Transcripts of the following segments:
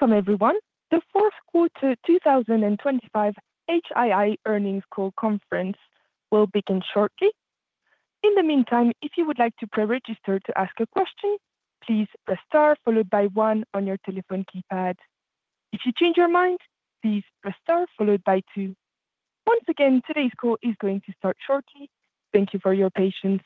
Welcome, everyone. The Fourth Quarter 2025 HII earnings call conference will begin shortly. In the meantime, if you would like to preregister to ask a question, please press star followed by one on your telephone keypad. If you change your mind, please press star followed by two. Once again, today's call is going to start shortly. Thank you for your patience.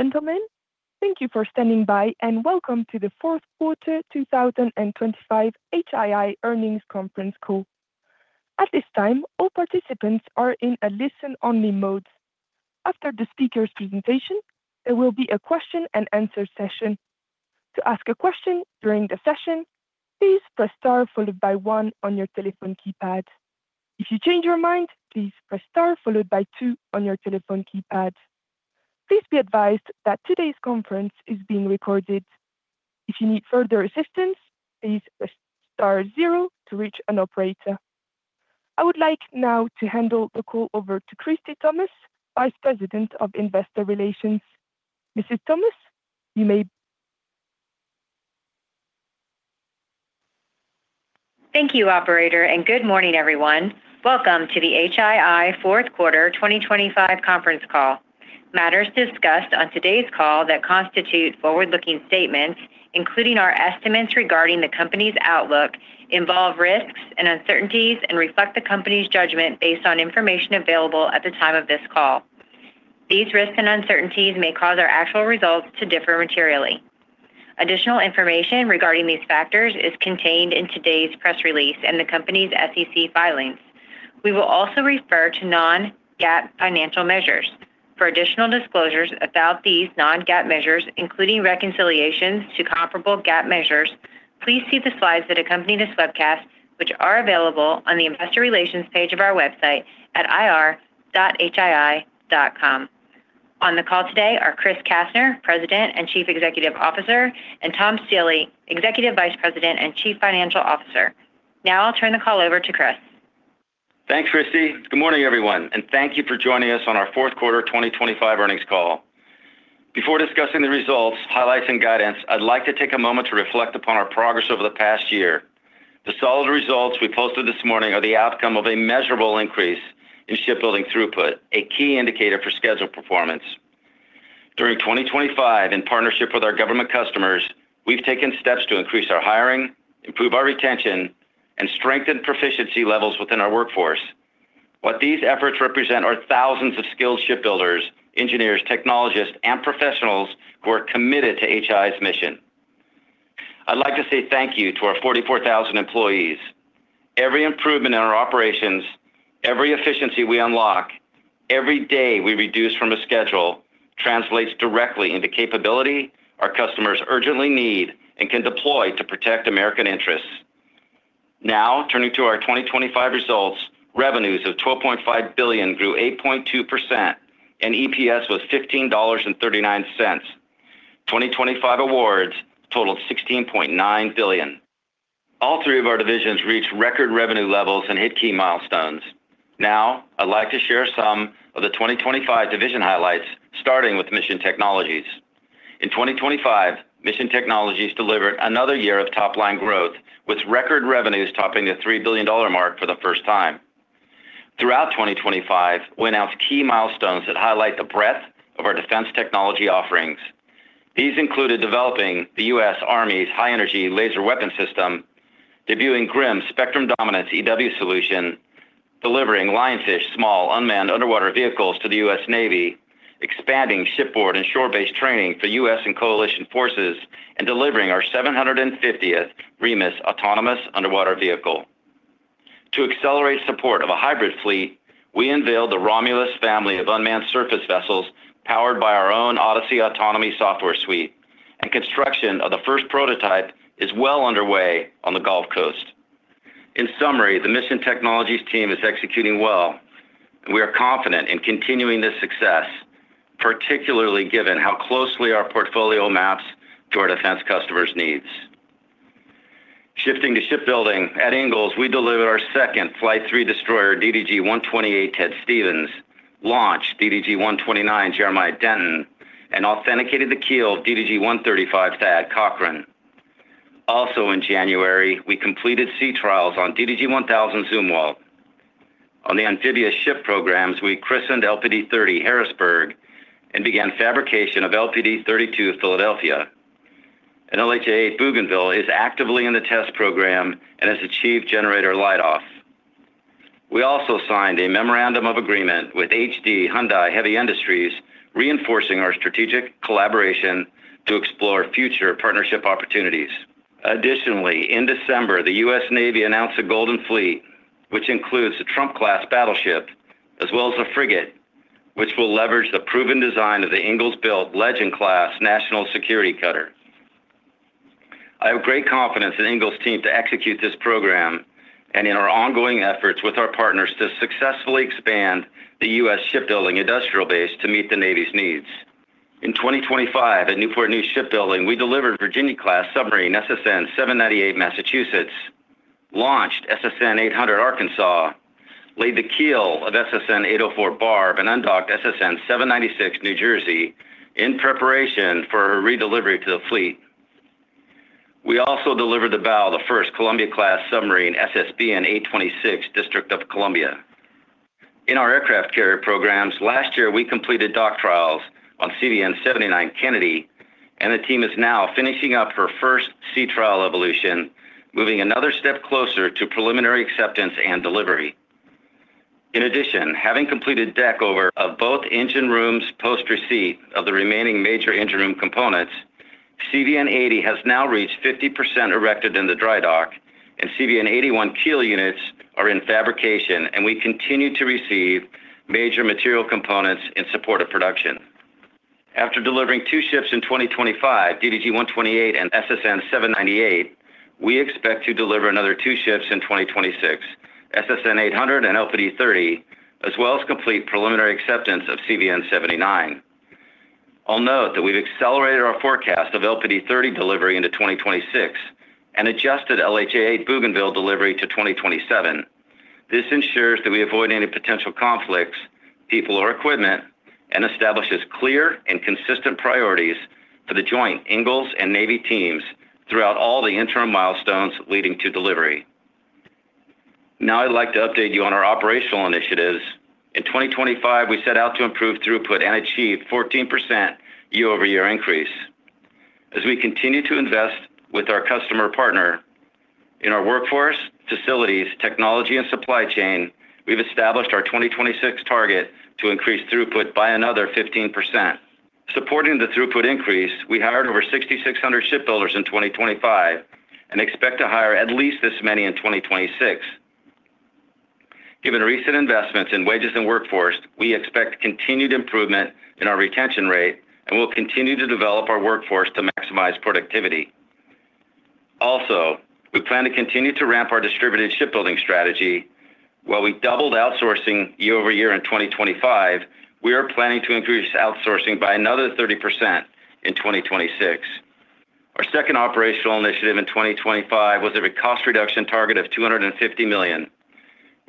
Ladies and gentlemen, thank you for standing by and welcome to the fourth quarter 2025 HII earnings conference call. At this time, all participants are in a listen-only mode. After the speaker's presentation, there will be a question-and-answer session. To ask a question during the session, please press star followed by one on your telephone keypad. If you change your mind, please press star followed by two on your telephone keypad. Please be advised that today's conference is being recorded. If you need further assistance, please press star 0 to reach an operator. I would like now to hand the call over to Christie Thomas, Vice President of Investor Relations. Mrs. Thomas, you may. Thank you, operator, and good morning, everyone. Welcome to the HII Fourth Quarter 2025 Conference Call. Matters discussed on today's call that constitute forward-looking statements, including our estimates regarding the company's outlook, involve risks and uncertainties, and reflect the company's judgment based on information available at the time of this call. These risks and uncertainties may cause our actual results to differ materially. Additional information regarding these factors is contained in today's press release and the company's SEC filings. We will also refer to non-GAAP financial measures. For additional disclosures about these non-GAAP measures, including reconciliations to comparable GAAP measures, please see the slides that accompany this webcast, which are available on the Investor Relations page of our website at ir.hii.com. On the call today are Chris Kastner, President and Chief Executive Officer, and Tom Stiehle, Executive Vice President and Chief Financial Officer. Now I'll turn the call over to Chris. Thanks, Christie. Good morning, everyone, and thank you for joining us on our fourth quarter 2025 earnings call. Before discussing the results, highlights, and guidance, I'd like to take a moment to reflect upon our progress over the past year. The solid results we posted this morning are the outcome of a measurable increase in shipbuilding throughput, a key indicator for scheduled performance. During 2025, in partnership with our government customers, we've taken steps to increase our hiring, improve our retention, and strengthen proficiency levels within our workforce. What these efforts represent are thousands of skilled shipbuilders, engineers, technologists, and professionals who are committed to HII's mission. I'd like to say thank you to our 44,000 employees. Every improvement in our operations, every efficiency we unlock, every day we reduce from a schedule translates directly into capability our customers urgently need and can deploy to protect American interests. Now, turning to our 2025 results, revenues of $12.5 billion grew 8.2%, and EPS was $15.39. 2025 awards totaled $16.9 billion. All three of our divisions reached record revenue levels and hit key milestones. Now, I'd like to share some of the 2025 division highlights, starting with Mission Technologies. In 2025, Mission Technologies delivered another year of top-line growth, with record revenues topping the $3 billion mark for the first time. Throughout 2025, we announced key milestones that highlight the breadth of our defense technology offerings. These included developing the U.S. Army's high-energy laser weapon system, debuting GRIMM Spectrum Dominance EW solution, delivering Lionfish small unmanned underwater vehicles to the U.S. Navy, expanding shipboard and shore-based training for U.S. and coalition forces, and delivering our 750th REMUS autonomous underwater vehicle. To accelerate support of a hybrid fleet, we unveiled the Romulus family of unmanned surface vessels powered by our own Odyssey autonomy software suite, and construction of the first prototype is well underway on the Gulf Coast. In summary, the Mission Technologies team is executing well, and we are confident in continuing this success, particularly given how closely our portfolio maps to our defense customers' needs. Shifting to shipbuilding, at Ingalls we delivered our second Flight 3 destroyer DDG-128 Ted Stevens, launched DDG-129 Jeremiah Denton, and authenticated the keel of DDG-135 Thad Cochran. Also in January, we completed sea trials on DDG-1000 Zumwalt. On the amphibious ship programs, we christened LPD-30 Harrisburg and began fabrication of LPD-32 Philadelphia. An LHA-8 Bougainville is actively in the test program and has achieved generator light-off. We also signed a memorandum of agreement with HD Hyundai Heavy Industries, reinforcing our strategic collaboration to explore future partnership opportunities. Additionally, in December, the U.S. Navy announced a Golden Fleet, which includes a Trump class battleship as well as a frigate, which will leverage the proven design of the Ingalls-built Legend-class National Security Cutter. I have great confidence in Ingalls' team to execute this program and in our ongoing efforts with our partners to successfully expand the U.S. shipbuilding industrial base to meet the Navy's needs. In 2025, at Newport News Shipbuilding, we delivered Virginia-class submarine SSN 798 Massachusetts, launched SSN 800 Arkansas, laid the keel of SSN 804 Barb, and undocked SSN 796 New Jersey in preparation for her redelivery to the fleet. We also delivered the bow of the first Columbia-class submarine SSBN 826 District of Columbia. In our aircraft carrier programs, last year we completed dock trials on CVN 79 Kennedy, and the team is now finishing up her first sea trial evolution, moving another step closer to preliminary acceptance and delivery. In addition, having completed decking over of both engine rooms post receipt of the remaining major engine room components, CVN 80 has now reached 50% erected in the dry dock, and CVN 81 keel units are in fabrication, and we continue to receive major material components in support of production. After delivering two ships in 2025, DDG-128 and SSN 798, we expect to deliver another two ships in 2026, SSN 800 and LPD-30, as well as complete preliminary acceptance of CVN 79. I'll note that we've accelerated our forecast of LPD-30 delivery into 2026 and adjusted LHA-8 Bougainville delivery to 2027. This ensures that we avoid any potential conflicts, people, or equipment, and establishes clear and consistent priorities for the joint Ingalls and Navy teams throughout all the interim milestones leading to delivery. Now I'd like to update you on our operational initiatives. In 2025, we set out to improve throughput and achieve 14% year-over-year increase. As we continue to invest with our customer partner in our workforce, facilities, technology, and supply chain, we've established our 2026 target to increase throughput by another 15%. Supporting the throughput increase, we hired over 6,600 shipbuilders in 2025 and expect to hire at least this many in 2026. Given recent investments in wages and workforce, we expect continued improvement in our retention rate and will continue to develop our workforce to maximize productivity. Also, we plan to continue to ramp our distributed shipbuilding strategy. While we doubled outsourcing year-over-year in 2025, we are planning to increase outsourcing by another 30% in 2026. Our second operational initiative in 2025 was a cost reduction target of $250 million,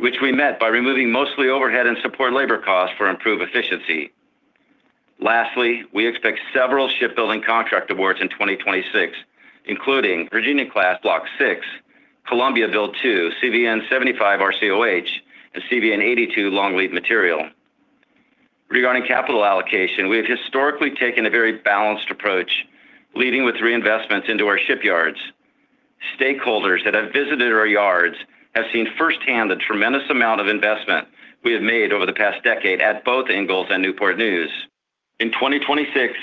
which we met by removing mostly overhead and support labor costs for improved efficiency. Lastly, we expect several shipbuilding contract awards in 2026, including Virginia-class Block 6, Columbia Build 2, CVN 75 RCOH, and CVN 82 long-lead material. Regarding capital allocation, we have historically taken a very balanced approach, leading with reinvestments into our shipyards. Stakeholders that have visited our yards have seen firsthand the tremendous amount of investment we have made over the past decade at both Ingalls and Newport News. In 2026,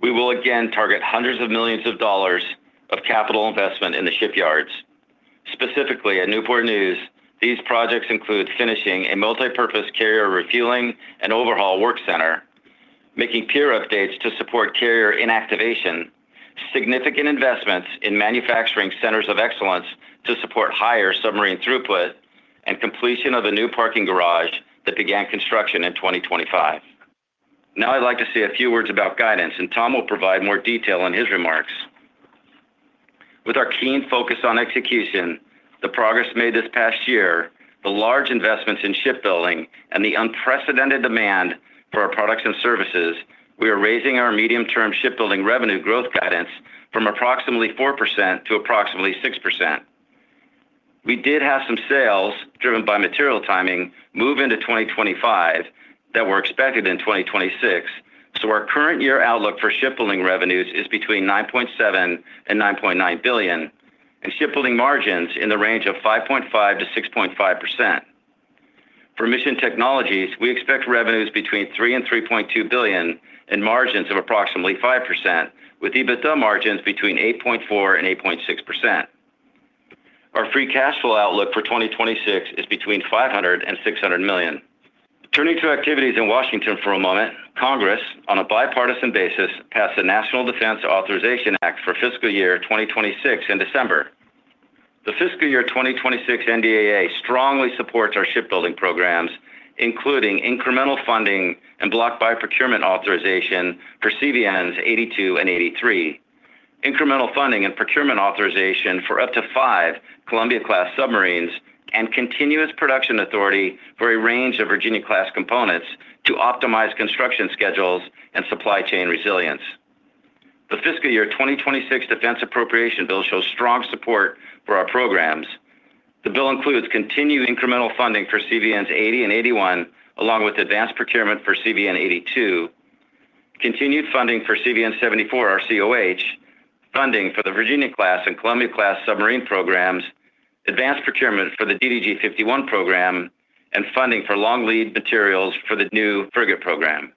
we will again target hundreds of millions of dollars of capital investment in the shipyards. Specifically, at Newport News, these projects include finishing a multipurpose carrier refueling and overhaul work center, making pier updates to support carrier inactivation, significant investments in manufacturing centers of excellence to support higher submarine throughput, and completion of a new parking garage that began construction in 2025. Now I'd like to say a few words about guidance, and Tom will provide more detail in his remarks. With our keen focus on execution, the progress made this past year, the large investments in shipbuilding, and the unprecedented demand for our products and services, we are raising our medium-term shipbuilding revenue growth guidance from approximately 4% to approximately 6%. We did have some sales driven by material timing move into 2025 that were expected in 2026, so our current year outlook for shipbuilding revenues is between $9.7 and $9.9 billion, and shipbuilding margins in the range of 5.5%-6.5%. For Mission Technologies, we expect revenues between $3 billion and $3.2 billion and margins of approximately 5%, with EBITDA margins between 8.4% and 8.6%. Our free cash flow outlook for 2026 is between $500 million and $600 million. Turning to activities in Washington for a moment, Congress, on a bipartisan basis, passed the National Defense Authorization Act for fiscal year 2026 in December. The fiscal year 2026 NDAA strongly supports our shipbuilding programs, including incremental funding and block buy procurement authorization for CVNs 82 and 83, incremental funding and procurement authorization for up to five Columbia-class submarines, and continuous production authority for a range of Virginia-class components to optimize construction schedules and supply chain resilience. The fiscal year 2026 Defense Appropriation Bill shows strong support for our programs. The bill includes continued incremental funding for CVNs 80 and 81, along with advanced procurement for CVN 82, continued funding for CVN 74 RCOH, funding for the Virginia-class and Columbia-class submarine programs, advanced procurement for the DDG-51 program, and funding for long-lead materials for the new frigate program.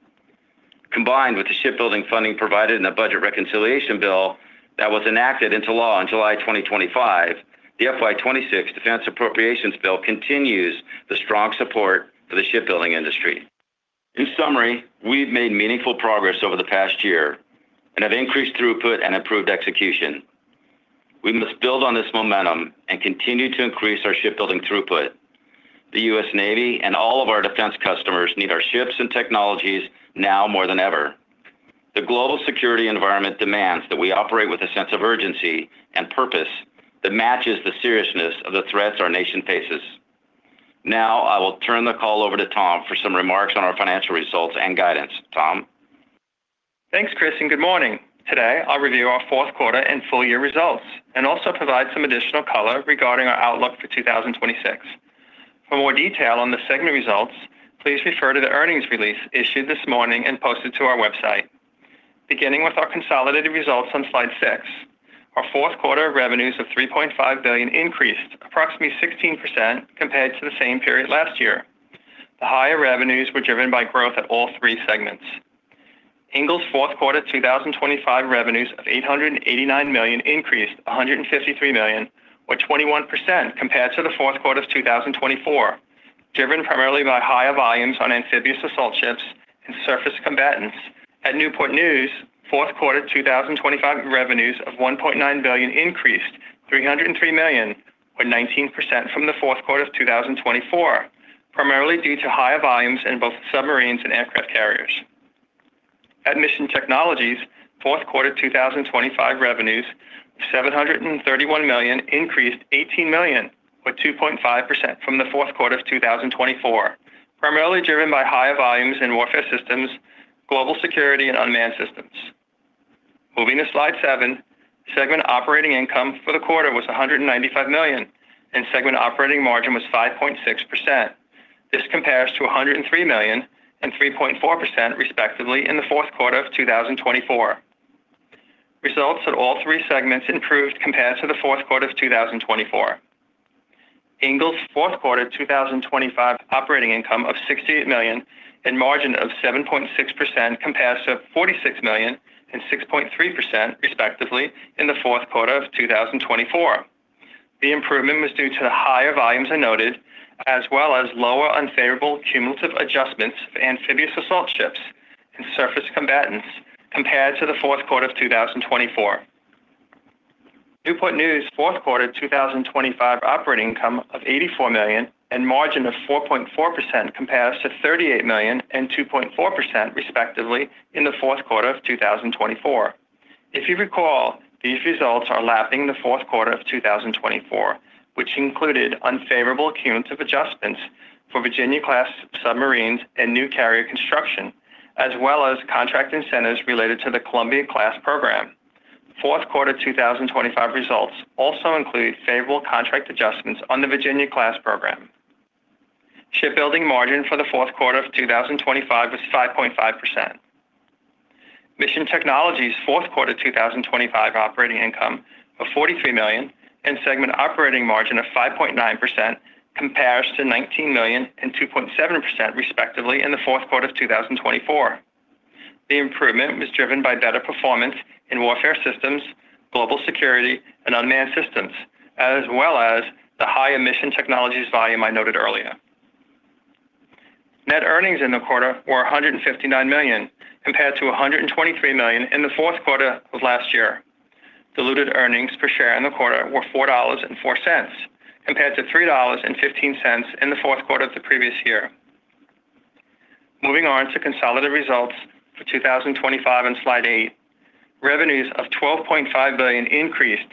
Combined with the shipbuilding funding provided in the Budget Reconciliation Bill that was enacted into law in July 2025, the FY26 Defense Appropriations Bill continues the strong support for the shipbuilding industry. In summary, we've made meaningful progress over the past year and have increased throughput and improved execution. We must build on this momentum and continue to increase our shipbuilding throughput. The U.S. Navy and all of our defense customers need our ships and technologies now more than ever. The global security environment demands that we operate with a sense of urgency and purpose that matches the seriousness of the threats our nation faces. Now I will turn the call over to Tom for some remarks on our financial results and guidance. Tom? Thanks, Chris, and good morning. Today, I'll review our fourth quarter and full year results and also provide some additional color regarding our outlook for 2026. For more detail on the segment results, please refer to the earnings release issued this morning and posted to our website. Beginning with our consolidated results on slide six, our fourth quarter revenues of $3.5 billion increased approximately 16% compared to the same period last year. The higher revenues were driven by growth at all three segments. Ingalls' fourth quarter 2025 revenues of $889 million increased $153 million, or 21% compared to the fourth quarter of 2024, driven primarily by higher volumes on amphibious assault ships and surface combatants. At Newport News, fourth quarter 2025 revenues of $1.9 billion increased $303 million, or 19% from the fourth quarter of 2024, primarily due to higher volumes in both submarines and aircraft carriers. At Mission Technologies, fourth quarter 2025 revenues of $731 million increased $18 million, or 2.5% from the fourth quarter of 2024, primarily driven by higher volumes in warfare systems, global security, and unmanned systems. Moving to slide seven, segment operating income for the quarter was $195 million, and segment operating margin was 5.6%. This compares to $103 million and 3.4% respectively in the fourth quarter of 2024. Results at all three segments improved compared to the fourth quarter of 2024. Ingalls' fourth quarter 2025 operating income of $68 million and margin of 7.6% compared to $46 million and 6.3% respectively in the fourth quarter of 2024. The improvement was due to the higher volumes noted as well as lower unfavorable cumulative adjustments of amphibious assault ships and surface combatants compared to the fourth quarter of 2024. Newport News' fourth quarter 2025 operating income of $84 million and margin of 4.4% compared to $38 million and 2.4% respectively in the fourth quarter of 2024. If you recall, these results are lapping the fourth quarter of 2024, which included unfavorable cumulative adjustments for Virginia-class submarines and new carrier construction, as well as contract incentives related to the Columbia-class program. Fourth quarter 2025 results also include favorable contract adjustments on the Virginia-class program. Shipbuilding margin for the fourth quarter of 2025 was 5.5%. Mission Technologies' fourth quarter 2025 operating income of $43 million and segment operating margin of 5.9% compared to $19 million and 2.7% respectively in the fourth quarter of 2024. The improvement was driven by better performance in warfare systems, global security, and unmanned systems, as well as the high emission technologies volume I noted earlier. Net earnings in the quarter were $159 million compared to $123 million in the fourth quarter of last year. Diluted earnings per share in the quarter were $4.04 compared to $3.15 in the fourth quarter of the previous year. Moving on to consolidated results for 2025 on slide eight, revenues of $12.5 billion increased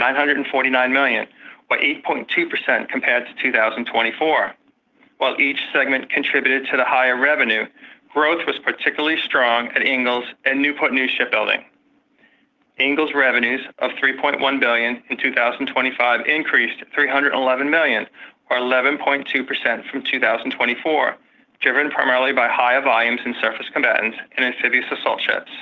$949 million, or 8.2% compared to 2024. While each segment contributed to the higher revenue, growth was particularly strong at Ingalls and Newport News Shipbuilding. Ingalls' revenues of $3.1 billion in 2025 increased $311 million, or 11.2% from 2024, driven primarily by higher volumes in surface combatants and amphibious assault ships.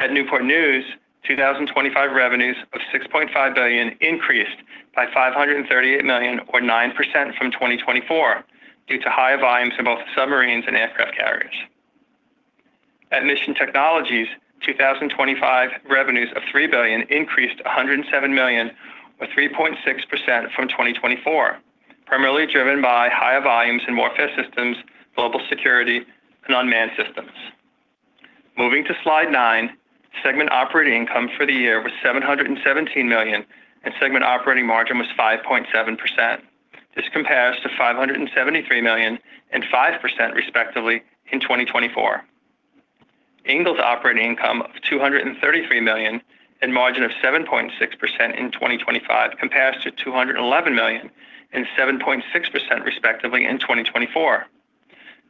At Newport News, 2025 revenues of $6.5 billion increased by $538 million, or 9% from 2024, due to higher volumes in both submarines and aircraft carriers. At Mission Technologies, 2025 revenues of $3 billion increased $107 million, or 3.6% from 2024, primarily driven by higher volumes in warfare systems, global security, and unmanned systems. Moving to slide 9, segment operating income for the year was $717 million, and segment operating margin was 5.7%. This compares to $573 million and 5% respectively in 2024. Ingalls' operating income of $233 million and margin of 7.6% in 2025 compared to $211 million and 7.6% respectively in 2024.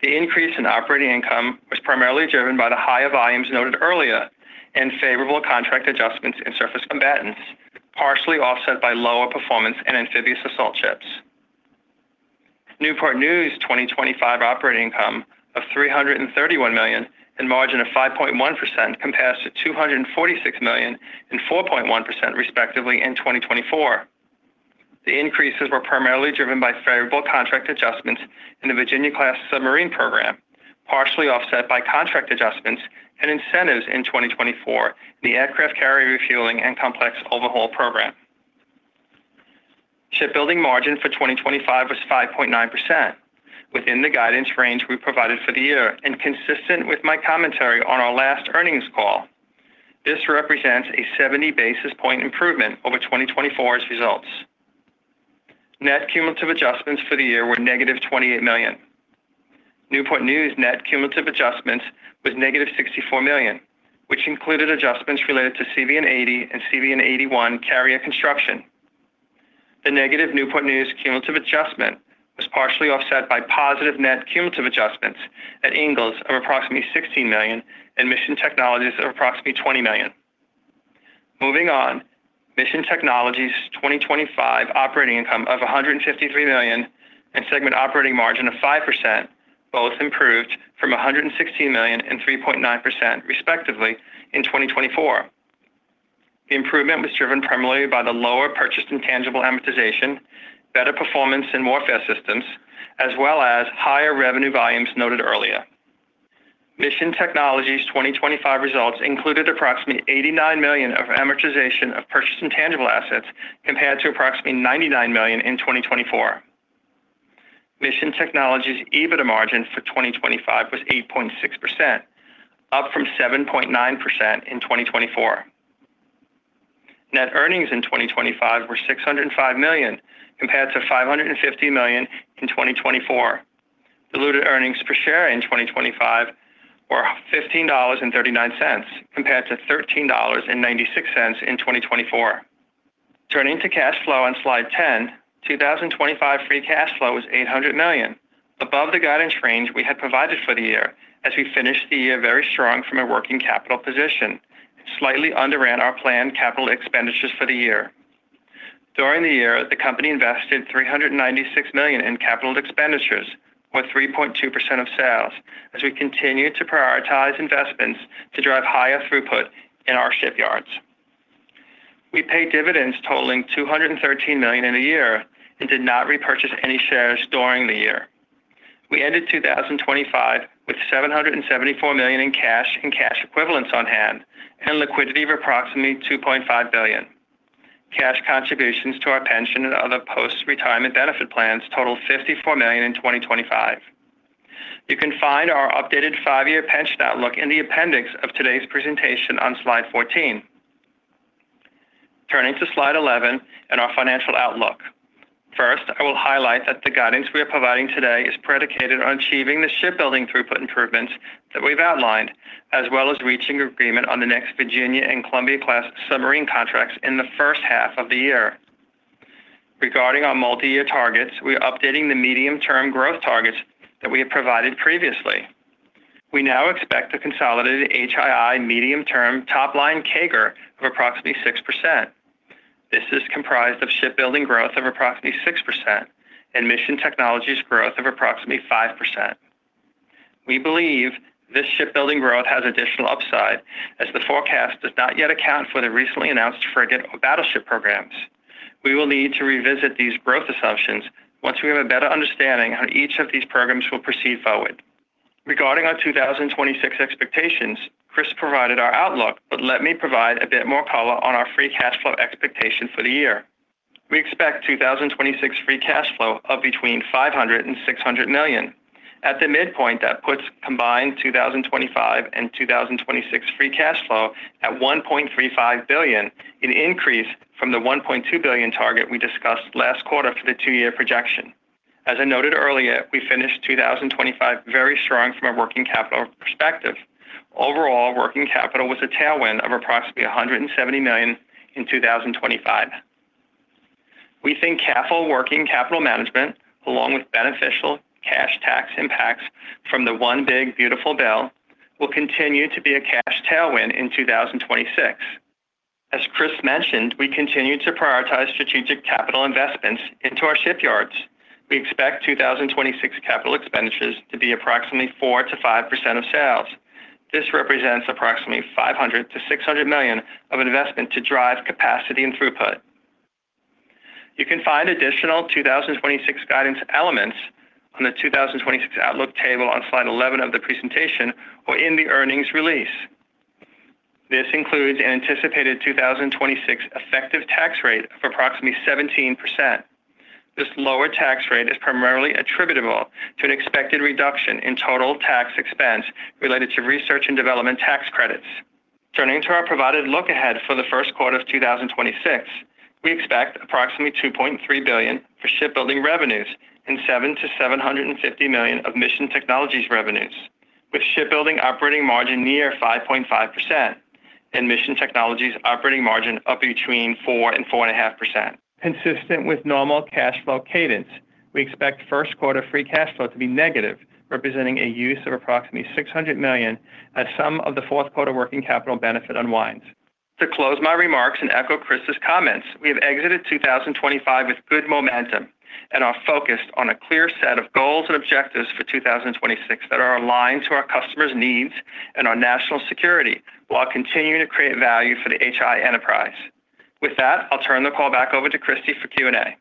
The increase in operating income was primarily driven by the higher volumes noted earlier and favorable contract adjustments in surface combatants, partially offset by lower performance in amphibious assault ships. Newport News' 2025 operating income of $331 million and margin of 5.1% compared to $246 million and 4.1% respectively in 2024. The increases were primarily driven by favorable contract adjustments in the Virginia-class submarine program, partially offset by contract adjustments and incentives in 2024 in the aircraft carrier refueling and complex overhaul program. Shipbuilding margin for 2025 was 5.9%, within the guidance range we provided for the year and consistent with my commentary on our last earnings call. This represents a 70 basis point improvement over 2024's results. Net cumulative adjustments for the year were negative $28 million. Newport News' net cumulative adjustments was negative $64 million, which included adjustments related to CVN 80 and CVN 81 carrier construction. The negative Newport News cumulative adjustment was partially offset by positive net cumulative adjustments at Ingalls of approximately $16 million and Mission Technologies of approximately $20 million. Moving on, Mission Technologies' 2025 operating income of $153 million and segment operating margin of 5% both improved from $116 million and 3.9% respectively in 2024. The improvement was driven primarily by the lower purchased intangible amortization, better performance in warfare systems, as well as higher revenue volumes noted earlier. Mission Technologies' 2025 results included approximately $89 million of amortization of purchased intangible assets compared to approximately $99 million in 2024. Mission Technologies' EBITDA margin for 2025 was 8.6%, up from 7.9% in 2024. Net earnings in 2025 were $605 million compared to $550 million in 2024. Diluted earnings per share in 2025 were $15.39 compared to $13.96 in 2024. Turning to cash flow on slide 10, 2025 free cash flow was $800 million, above the guidance range we had provided for the year as we finished the year very strong from a working capital position and slightly underran our planned capital expenditures for the year. During the year, the company invested $396 million in capital expenditures, or 3.2% of sales, as we continued to prioritize investments to drive higher throughput in our shipyards. We paid dividends totaling $213 million in a year and did not repurchase any shares during the year. We ended 2025 with $774 million in cash and cash equivalents on hand and liquidity of approximately $2.5 billion. Cash contributions to our pension and other post-retirement benefit plans totaled $54 million in 2025. You can find our updated five-year pension outlook in the appendix of today's presentation on slide 14. Turning to slide 11 and our financial outlook. First, I will highlight that the guidance we are providing today is predicated on achieving the shipbuilding throughput improvements that we've outlined, as well as reaching agreement on the next Virginia-class and Columbia-class submarine contracts in the first half of the year. Regarding our multi-year targets, we are updating the medium-term growth targets that we have provided previously. We now expect a consolidated HII medium-term top-line CAGR of approximately 6%. This is comprised of shipbuilding growth of approximately 6% and Mission Technologies' growth of approximately 5%. We believe this shipbuilding growth has additional upside as the forecast does not yet account for the recently announced frigate or battleship programs. We will need to revisit these growth assumptions once we have a better understanding on each of these programs. We'll proceed forward. Regarding our 2026 expectations, Chris provided our outlook, but let me provide a bit more color on our free cash flow expectation for the year. We expect 2026 free cash flow of between $500 million and $600 million. At the midpoint, that puts combined 2025 and 2026 free cash flow at $1.35 billion, an increase from the $1.2 billion target we discussed last quarter for the two-year projection. As I noted earlier, we finished 2025 very strong from a working capital perspective. Overall, working capital was a tailwind of approximately $170 million in 2025. We think careful working capital management, along with beneficial cash tax impacts from the One Big Beautiful Bill, will continue to be a cash tailwind in 2026. As Chris mentioned, we continue to prioritize strategic capital investments into our shipyards. We expect 2026 capital expenditures to be approximately 4%-5% of sales. This represents approximately $500 million-$600 million of investment to drive capacity and throughput. You can find additional 2026 guidance elements on the 2026 outlook table on slide 11 of the presentation or in the earnings release. This includes an anticipated 2026 effective tax rate of approximately 17%. This lower tax rate is primarily attributable to an expected reduction in total tax expense related to research and development tax credits. Turning to our provided look ahead for the first quarter of 2026, we expect approximately $2.3 billion for shipbuilding revenues and $700 million-$750 million of Mission Technologies revenues, with shipbuilding operating margin near 5.5% and Mission Technologies' operating margin up between 4%-4.5%. Consistent with normal cash flow cadence, we expect first quarter free cash flow to be negative, representing a use of approximately $600 million as some of the fourth quarter working capital benefit unwinds. To close my remarks and echo Chris's comments, we have exited 2025 with good momentum and are focused on a clear set of goals and objectives for 2026 that are aligned to our customers' needs and our national security while continuing to create value for the HII enterprise. With that, I'll turn the call back over to Christie for Q&A.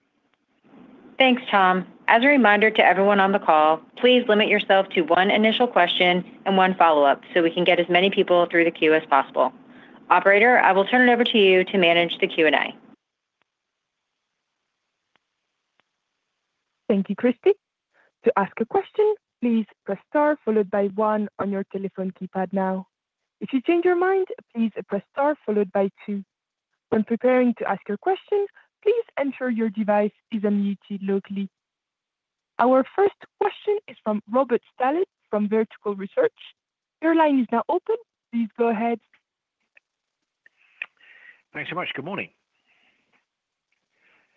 Thanks, Tom. As a reminder to everyone on the call, please limit yourself to one initial question and one follow-up so we can get as many people through the queue as possible. Operator, I will turn it over to you to manage the Q&A. Thank you, Christie. To ask a question, please press star followed by one on your telephone keypad now. If you change your mind, please press star followed by two. When preparing to ask your question, please ensure your device is unmuted locally. Our first question is from Robert Stallard from Vertical Research Partners. Your line is now open. Please go ahead. Thanks so much. Good morning.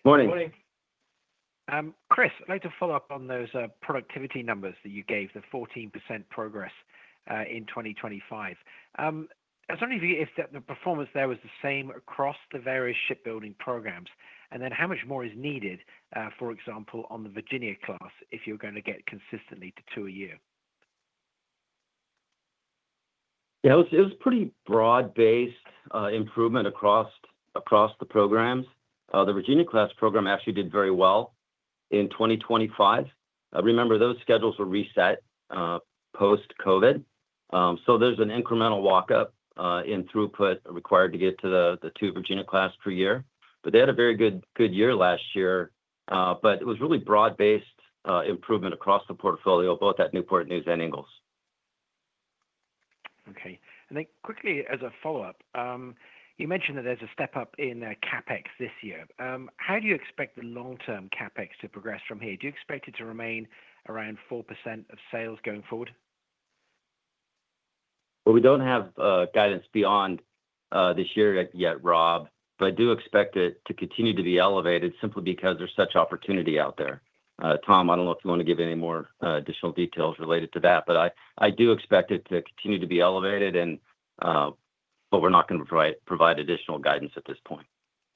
Morning. Morning. Chris, I'd like to follow up on those productivity numbers that you gave, the 14% progress in 2025. I was wondering if the performance there was the same across the various shipbuilding programs, and then how much more is needed, for example, on the Virginia-class if you're going to get consistently to two a year? Yeah, it was pretty broad-based improvement across the programs. The Virginia-class program actually did very well in 2025. Remember, those schedules were reset post-COVID, so there's an incremental walkup in throughput required to get to the two Virginia-class per year. But they had a very good year last year, but it was really broad-based improvement across the portfolio, both at Newport News and Ingalls. Okay. And then quickly, as a follow-up, you mentioned that there's a step up in CAPEX this year. How do you expect the long-term CAPEX to progress from here? Do you expect it to remain around 4% of sales going forward? Well, we don't have guidance beyond this year yet, Rob, but I do expect it to continue to be elevated simply because there's such opportunity out there. Tom, I don't know if you want to give any more additional details related to that, but I do expect it to continue to be elevated, but we're not going to provide additional guidance at this point.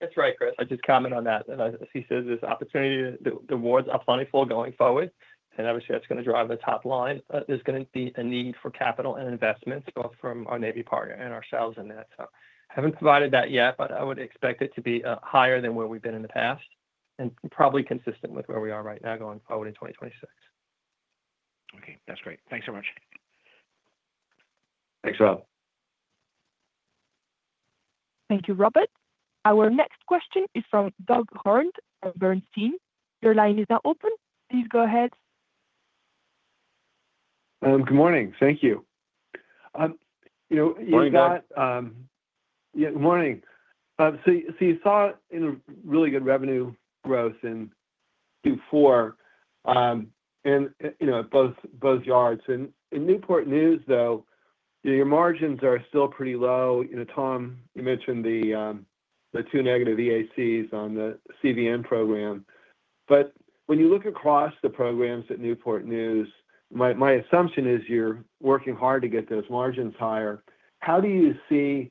That's right, Chris. I'd just comment on that. As he says, this opportunity, the rewards are plentiful going forward, and obviously, that's going to drive the top line. There's going to be a need for capital and investments both from our Navy partner and ourselves in that. So I haven't provided that yet, but I would expect it to be higher than where we've been in the past and probably consistent with where we are right now going forward in 2026. Okay. That's great. Thanks so much. Thanks, Rob. Thank you, Robert. Our next question is from Doug Harned from Bernstein. Your line is now open. Please go ahead. Good morning. Thank you. You've got. Morning, Doug. Yeah, good morning. So you saw really good revenue growth in Q4 at both yards. In Newport News, though, your margins are still pretty low. Tom, you mentioned the two negative EACs on the CVN program. But when you look across the programs at Newport News, my assumption is you're working hard to get those margins higher. How do you see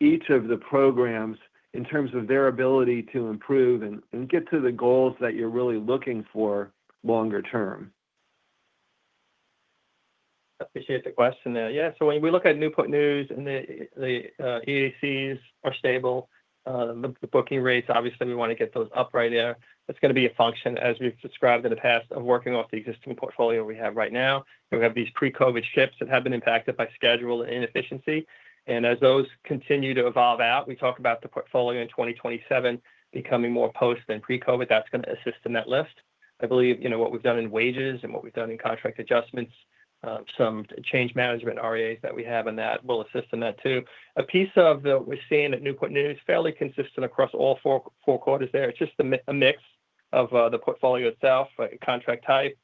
each of the programs in terms of their ability to improve and get to the goals that you're really looking for longer term? Appreciate the question there. Yeah. So when we look at Newport News and the EACs are stable, the booking rates, obviously, we want to get those up right there. That's going to be a function, as we've described in the past, of working off the existing portfolio we have right now. We have these pre-COVID ships that have been impacted by schedule and inefficiency. And as those continue to evolve out, we talk about the portfolio in 2027 becoming more post than pre-COVID. That's going to assist in that list. I believe what we've done in wages and what we've done in contract adjustments, some change management REAs that we have in that will assist in that too. A piece of what we're seeing at Newport News fairly consistent across all four quarters there. It's just a mix of the portfolio itself, contract type,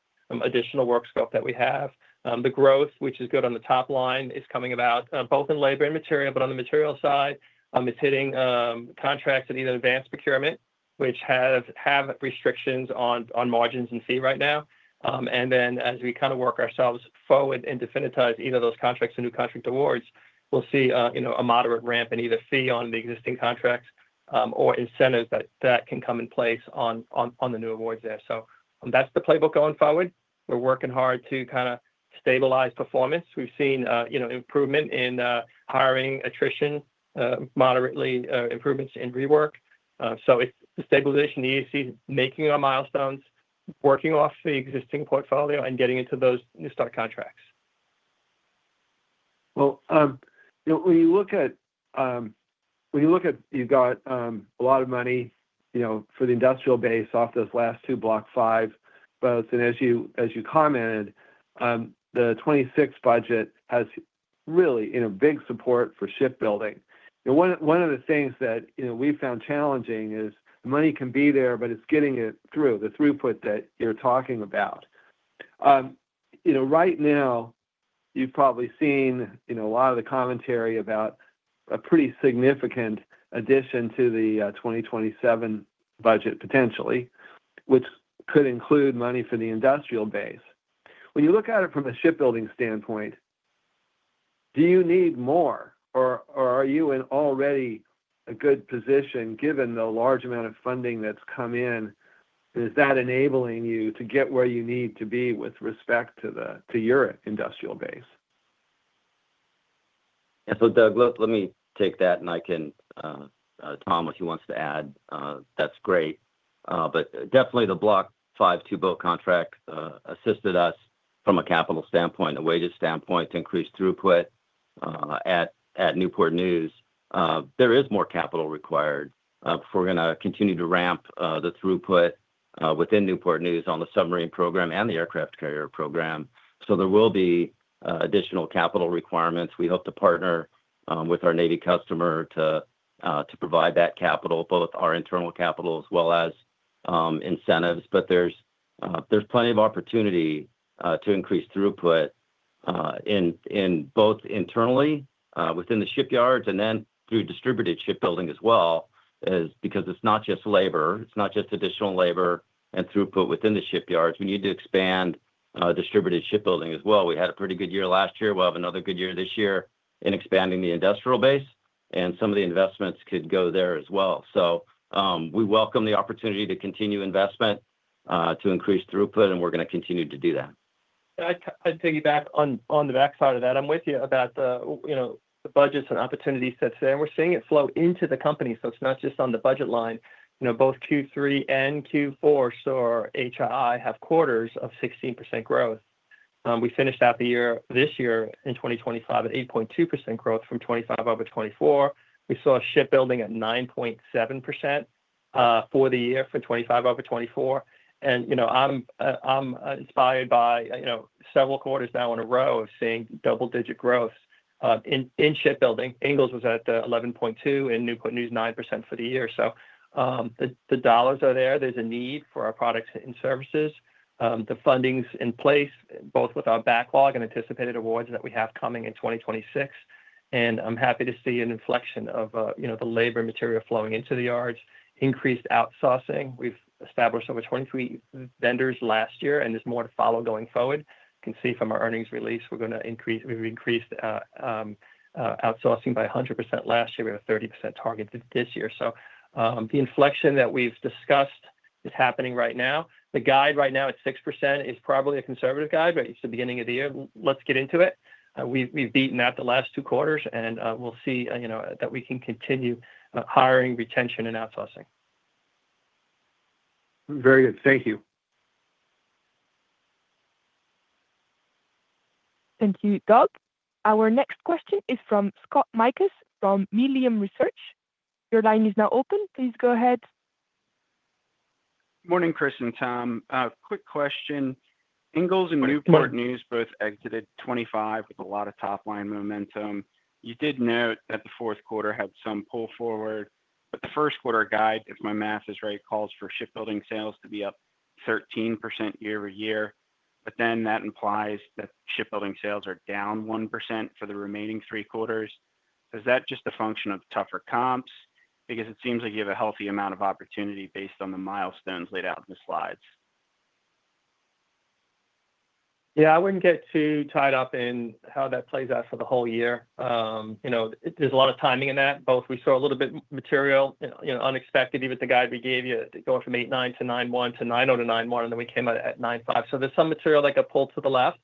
additional work scope that we have. The growth, which is good on the top line, is coming about both in labor and material, but on the material side, it's hitting contracts at either advanced procurement, which have restrictions on margins and fee right now. Then as we kind of work ourselves forward and definitize either those contracts or new contract awards, we'll see a moderate ramp in either fee on the existing contracts or incentives that can come in place on the new awards there. So that's the playbook going forward. We're working hard to kind of stabilize performance. We've seen improvement in hiring, attrition, moderate improvements in rework. So it's the stabilization, the EACs, making our milestones, working off the existing portfolio, and getting into those new start contracts. Well, when you look at, you've got a lot of money for the industrial base off those last two, Block Five. But as you commented, the 2026 budget has really big support for shipbuilding. One of the things that we found challenging is the money can be there, but it's getting it through, the throughput that you're talking about. Right now, you've probably seen a lot of the commentary about a pretty significant addition to the 2027 budget, potentially, which could include money for the industrial base. When you look at it from a shipbuilding standpoint, do you need more, or are you in already a good position given the large amount of funding that's come in? And is that enabling you to get where you need to be with respect to your industrial base? Yeah. So Doug, let me take that, and I can Tom, if he wants to add, that's great. But definitely, the Block 5 two-boat contract assisted us from a capital standpoint, a wages standpoint, to increase throughput at Newport News. There is more capital required. We're going to continue to ramp the throughput within Newport News on the submarine program and the aircraft carrier program. So there will be additional capital requirements. We hope to partner with our Navy customer to provide that capital, both our internal capital as well as incentives. But there's plenty of opportunity to increase throughput both internally within the shipyards and then through distributed shipbuilding as well because it's not just labor. It's not just additional labor and throughput within the shipyards. We need to expand distributed shipbuilding as well. We had a pretty good year last year. We'll have another good year this year in expanding the industrial base, and some of the investments could go there as well. So we welcome the opportunity to continue investment, to increase throughput, and we're going to continue to do that. Yeah. I'd piggyback on the backside of that. I'm with you about the budgets and opportunities set today. We're seeing it flow into the company, so it's not just on the budget line. Both Q3 and Q4 saw HII have quarters of 16% growth. We finished out the year this year in 2025 at 8.2% growth from 2025/2024. We saw shipbuilding at 9.7% for the year for 2025/2024. I'm inspired by several quarters now in a row of seeing double-digit growth in shipbuilding. Ingalls was at 11.2% and Newport News 9% for the year. So the dollars are there. There's a need for our products and services, the fundings in place, both with our backlog and anticipated awards that we have coming in 2026. I'm happy to see an inflection of the labor and material flowing into the yards, increased outsourcing. We've established over 23 vendors last year, and there's more to follow going forward. You can see from our earnings release, we've increased outsourcing by 100% last year. We have a 30% target this year. The inflection that we've discussed is happening right now. The guide right now at 6% is probably a conservative guide, but it's the beginning of the year. Let's get into it. We've beaten that the last 2 quarters, and we'll see that we can continue hiring, retention, and outsourcing. Very good. Thank you. Thank you, Doug. Our next question is from Scott Mikus from Melius Research. Your line is now open. Please go ahead. Morning, Chris and Tom. Quick question. Ingalls and Newport News both exited 2025 with a lot of top-line momentum. You did note that the fourth quarter had some pull forward, but the first quarter guide, if my math is right, calls for shipbuilding sales to be up 13% year-over-year. But then that implies that shipbuilding sales are down 1% for the remaining three quarters. Is that just a function of tougher comps? Because it seems like you have a healthy amount of opportunity based on the milestones laid out in the slides. Yeah. I wouldn't get too tied up in how that plays out for the whole year. There's a lot of timing in that. Both we saw a little bit material, unexpected, even with the guide we gave you, going from 8.9% to 9.1% to 9.0% to 9.1%, and then we came out at 9.5%. So there's some material that got pulled to the left.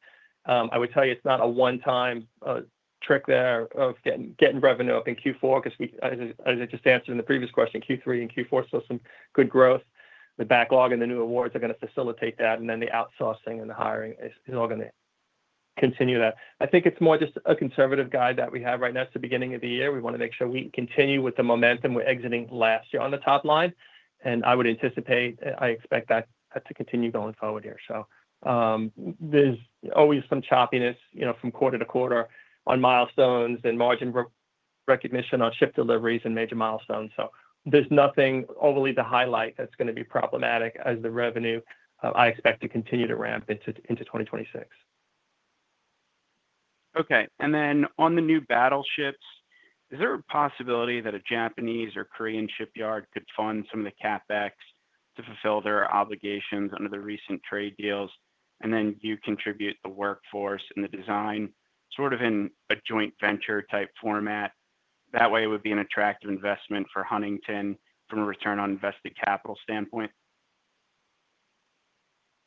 I would tell you it's not a one-time trick there of getting revenue up in Q4 because, as I just answered in the previous question, Q3 and Q4 saw some good growth. The backlog and the new awards are going to facilitate that, and then the outsourcing and the hiring is all going to continue that. I think it's more just a conservative guide that we have right now. It's the beginning of the year. We want to make sure we continue with the momentum. We're exiting last year on the top line, and I would anticipate I expect that to continue going forward here. So there's always some choppiness from quarter to quarter on milestones and margin recognition on ship deliveries and major milestones. So there's nothing overly to highlight that's going to be problematic as the revenue, I expect, to continue to ramp into 2026. Okay. And then on the new battleships, is there a possibility that a Japanese or Korean shipyard could fund some of the CAPEX to fulfill their obligations under the recent trade deals, and then you contribute the workforce and the design sort of in a joint venture-type format? That way, it would be an attractive investment for Huntington from a return on invested capital standpoint.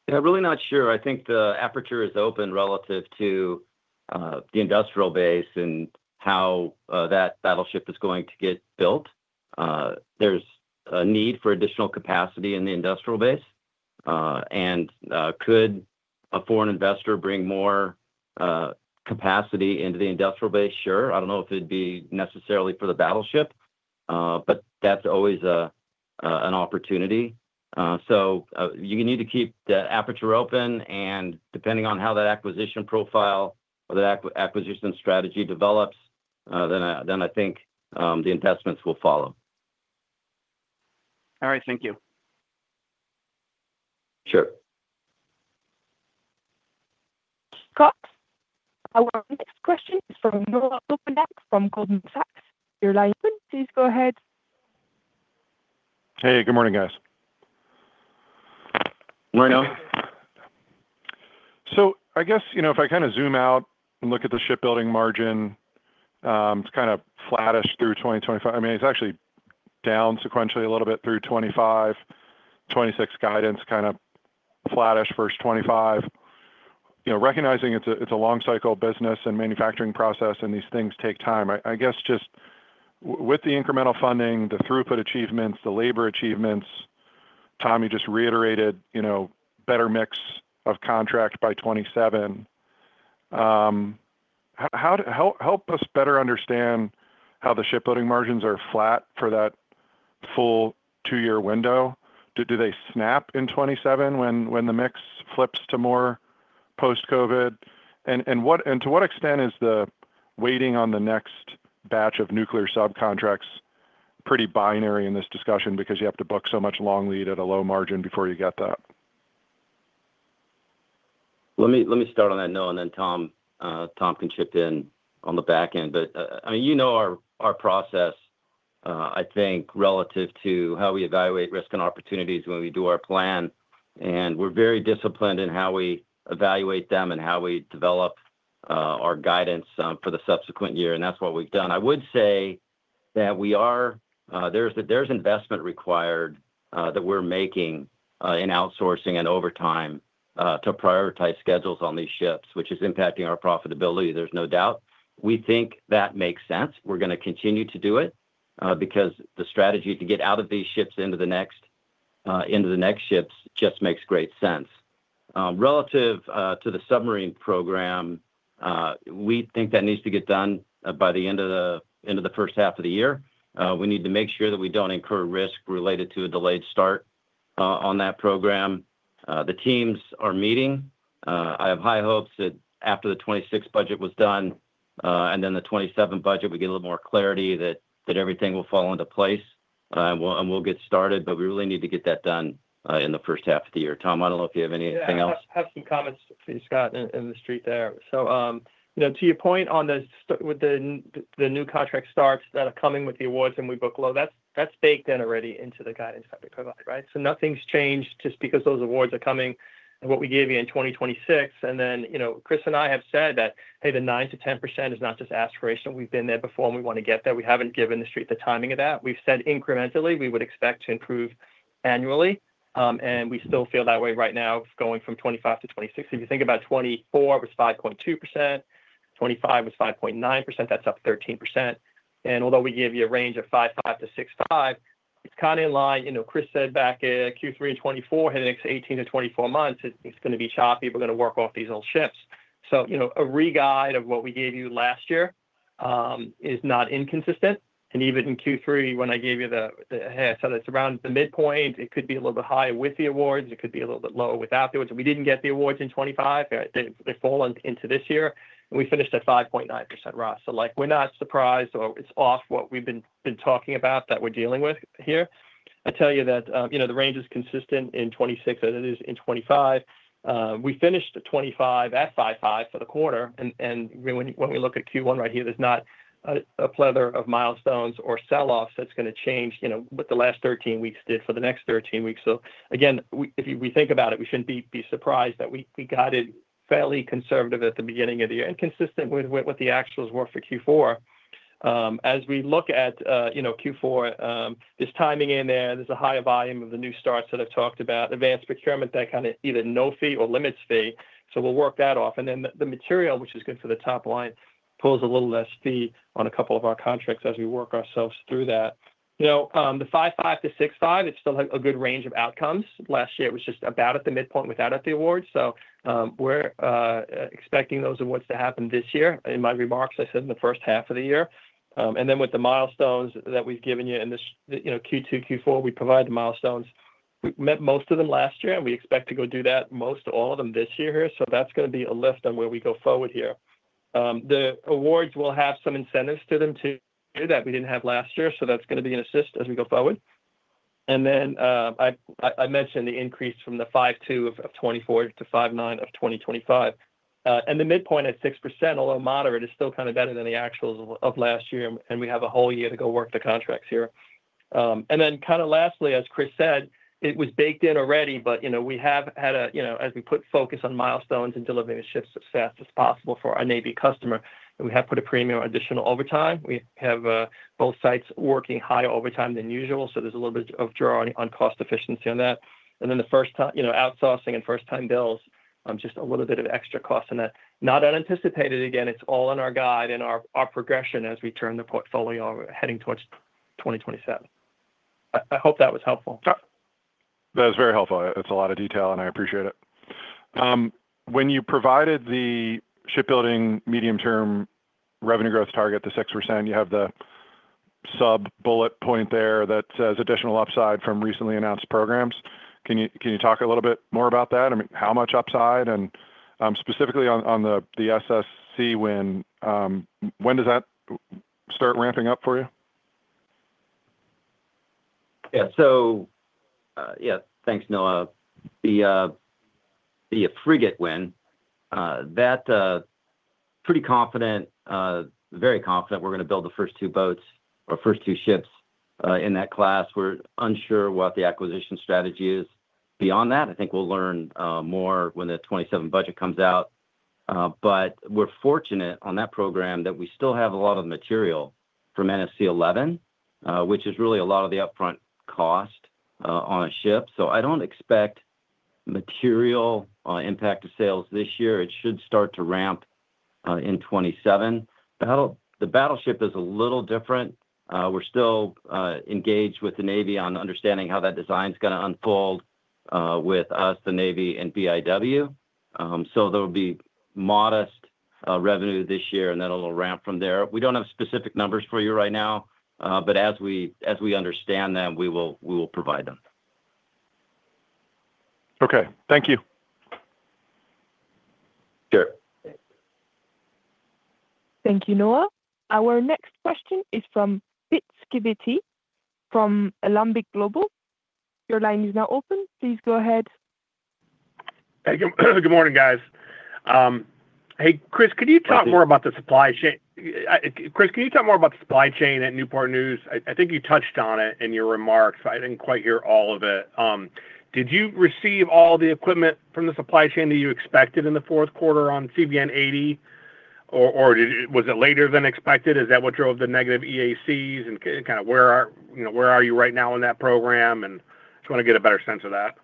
Yeah, really not sure. I think the aperture is open relative to the industrial base and how that battleship is going to get built. There's a need for additional capacity in the industrial base. And could a foreign investor bring more capacity into the industrial base? Sure. I don't know if it'd be necessarily for the battleship, but that's always an opportunity. So you need to keep the aperture open, and depending on how that acquisition profile or that acquisition strategy develops, then I think the investments will follow. All right. Thank you. Sure. Scott, our next question is from Noah Poponak from Goldman Sachs. Your line is open. Please go ahead. Hey. Good morning, guys. Morning, Allen. So I guess if I kind of zoom out and look at the shipbuilding margin, it's kind of flattish through 2025. I mean, it's actually down sequentially a little bit through 2025. 2026 guidance kind of flattish first 2025. Recognizing it's a long-cycle business and manufacturing process, and these things take time, I guess just with the incremental funding, the throughput achievements, the labor achievements, Tom, you just reiterated better mix of contract by 2027. Help us better understand how the shipbuilding margins are flat for that full two-year window. Do they snap in 2027 when the mix flips to more post-COVID? And to what extent is the waiting on the next batch of nuclear subcontracts pretty binary in this discussion because you have to book so much long lead at a low margin before you get that? Let me start on that note, and then Tom can chip in on the back end. But I mean, you know our process, I think, relative to how we evaluate risk and opportunities when we do our plan. We're very disciplined in how we evaluate them and how we develop our guidance for the subsequent year, and that's what we've done. I would say that there is investment required that we're making in outsourcing and overtime to prioritize schedules on these ships, which is impacting our profitability, there's no doubt. We think that makes sense. We're going to continue to do it because the strategy to get out of these ships into the next ships just makes great sense. Relative to the submarine program, we think that needs to get done by the end of the first half of the year. We need to make sure that we don't incur risk related to a delayed start on that program. The teams are meeting. I have high hopes that after the 2026 budget was done and then the 2027 budget, we get a little more clarity that everything will fall into place and we'll get started. But we really need to get that done in the first half of the year. Tom, I don't know if you have anything else. Yeah. I have some comments for you, Scott, on the street there. So to your point on the new contract starts that are coming with the awards when we book low, that's baked in already into the guidance that we provide, right? So nothing's changed just because those awards are coming and what we gave you in 2026. And then Chris and I have said that, "Hey, the 9%-10% is not just aspirational. We've been there before, and we want to get there." We haven't given the street the timing of that. We've said incrementally, we would expect to improve annually. And we still feel that way right now going from 2025 to 2026. If you think about 2024, it was 5.2%. 2025 was 5.9%. That's up 13%. And although we give you a range of 5.5%-6.5%, it's kind of in line. Chris said back in Q3 2024, heading into 18 to 24 months, it's going to be choppy. We're going to work off these old ships. So a re-guide of what we gave you last year is not inconsistent. And even in Q3, when I gave you the hey, I said it's around the midpoint. It could be a little bit higher with the awards. It could be a little bit lower without the awards. And we didn't get the awards in 2025. They've fallen into this year, and we finished at 5.9% rough. So we're not surprised. So it's off what we've been talking about that we're dealing with here. I tell you that the range is consistent in 2026 as it is in 2025. We finished 2025 at 5.5% for the quarter. When we look at Q1 right here, there's not a plethora of milestones or selloffs that's going to change what the last 13 weeks did for the next 13 weeks. So again, if we think about it, we shouldn't be surprised that we guided fairly conservative at the beginning of the year and consistent with what the actuals were for Q4. As we look at Q4, there's timing in there. There's a higher volume of the new starts that I've talked about, advanced procurement that kind of either no fee or limits fee. So we'll work that off. And then the material, which is good for the top line, pulls a little less fee on a couple of our contracts as we work ourselves through that. The 5.5%-6.5%, it's still a good range of outcomes. Last year, it was just about at the midpoint without the awards. So we're expecting those awards to happen this year. In my remarks, I said in the first half of the year. And then with the milestones that we've given you in this Q2, Q4, we provide the milestones. We met most of them last year, and we expect to go do that most to all of them this year here. So that's going to be a lift on where we go forward here. The awards will have some incentives to them too that we didn't have last year. So that's going to be an assist as we go forward. And then I mentioned the increase from the 5.2% of 2024 to 5.9% of 2025. And the midpoint at 6%, although moderate, is still kind of better than the actuals of last year. And we have a whole year to go work the contracts here. And then kind of lastly, as Chris said, it was baked in already, but we have had, as we put focus on milestones and delivering the ships as fast as possible for our Navy customer, we have put a premium additional overtime. We have both sites working higher overtime than usual. So there's a little bit of draw on cost efficiency on that. And then the first outsourcing and first-time bills, just a little bit of extra cost in that. Not unanticipated. Again, it's all in our guide and our progression as we turn the portfolio heading towards 2027. I hope that was helpful. That was very helpful. It's a lot of detail, and I appreciate it. When you provided the shipbuilding medium-term revenue growth target, the 6%, you have the sub-bullet point there that says additional upside from recently announced programs. Can you talk a little bit more about that? I mean, how much upside? And specifically on the SSC win, when does that start ramping up for you? Yeah. So yeah, thanks, Noah. The frigate win, that pretty confident, very confident we're going to build the first two boats or first two ships in that class. We're unsure what the acquisition strategy is. Beyond that, I think we'll learn more when the 2027 budget comes out. But we're fortunate on that program that we still have a lot of material from NSC 11, which is really a lot of the upfront cost on a ship. So I don't expect material impact to sales this year. It should start to ramp in 2027. The battleship is a little different. We're still engaged with the Navy on understanding how that design's going to unfold with us, the Navy, and BIW. So there'll be modest revenue this year, and then it'll ramp from there. We don't have specific numbers for you right now, but as we understand them, we will provide them. Okay. Thank you. Sure. Thank you, Noah. Our next question is from Pete Skibitski from Alembic Global Advisors. Your line is now open. Please go ahead. Hey. Good morning, guys. Hey, Chris, could you talk more about the supply chain? Chris, can you talk more about the supply chain at Newport News? I think you touched on it in your remarks, but I didn't quite hear all of it. Did you receive all the equipment from the supply chain that you expected in the fourth quarter on CVN 80, or was it later than expected? Is that what drove the negative EACs? And kind of where are you right now in that program? And just want to get a better sense of that.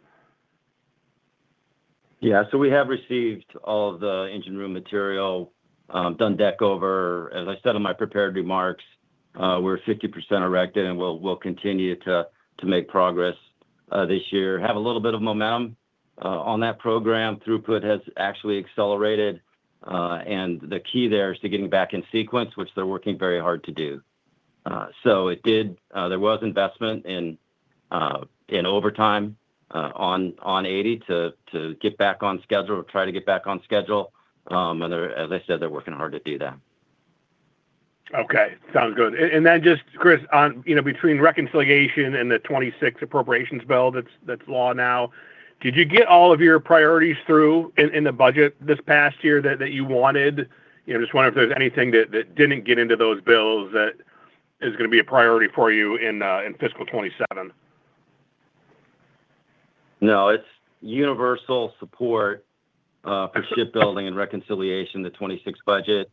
Yeah. So we have received all of the engine room material, done deck over. As I said in my prepared remarks, we're 50% erected, and we'll continue to make progress this year. Have a little bit of momentum on that program. Throughput has actually accelerated. And the key there is to getting back in sequence, which they're working very hard to do. So there was investment in overtime on 80 to get back on schedule, try to get back on schedule. And as I said, they're working hard to do that. Okay. Sounds good. Then just, Chris, between reconciliation and the 2026 appropriations bill that's law now, did you get all of your priorities through in the budget this past year that you wanted? Just wondering if there's anything that didn't get into those bills that is going to be a priority for you in fiscal 2027. No. It's universal support for shipbuilding and reconciliation, the 2026 budget,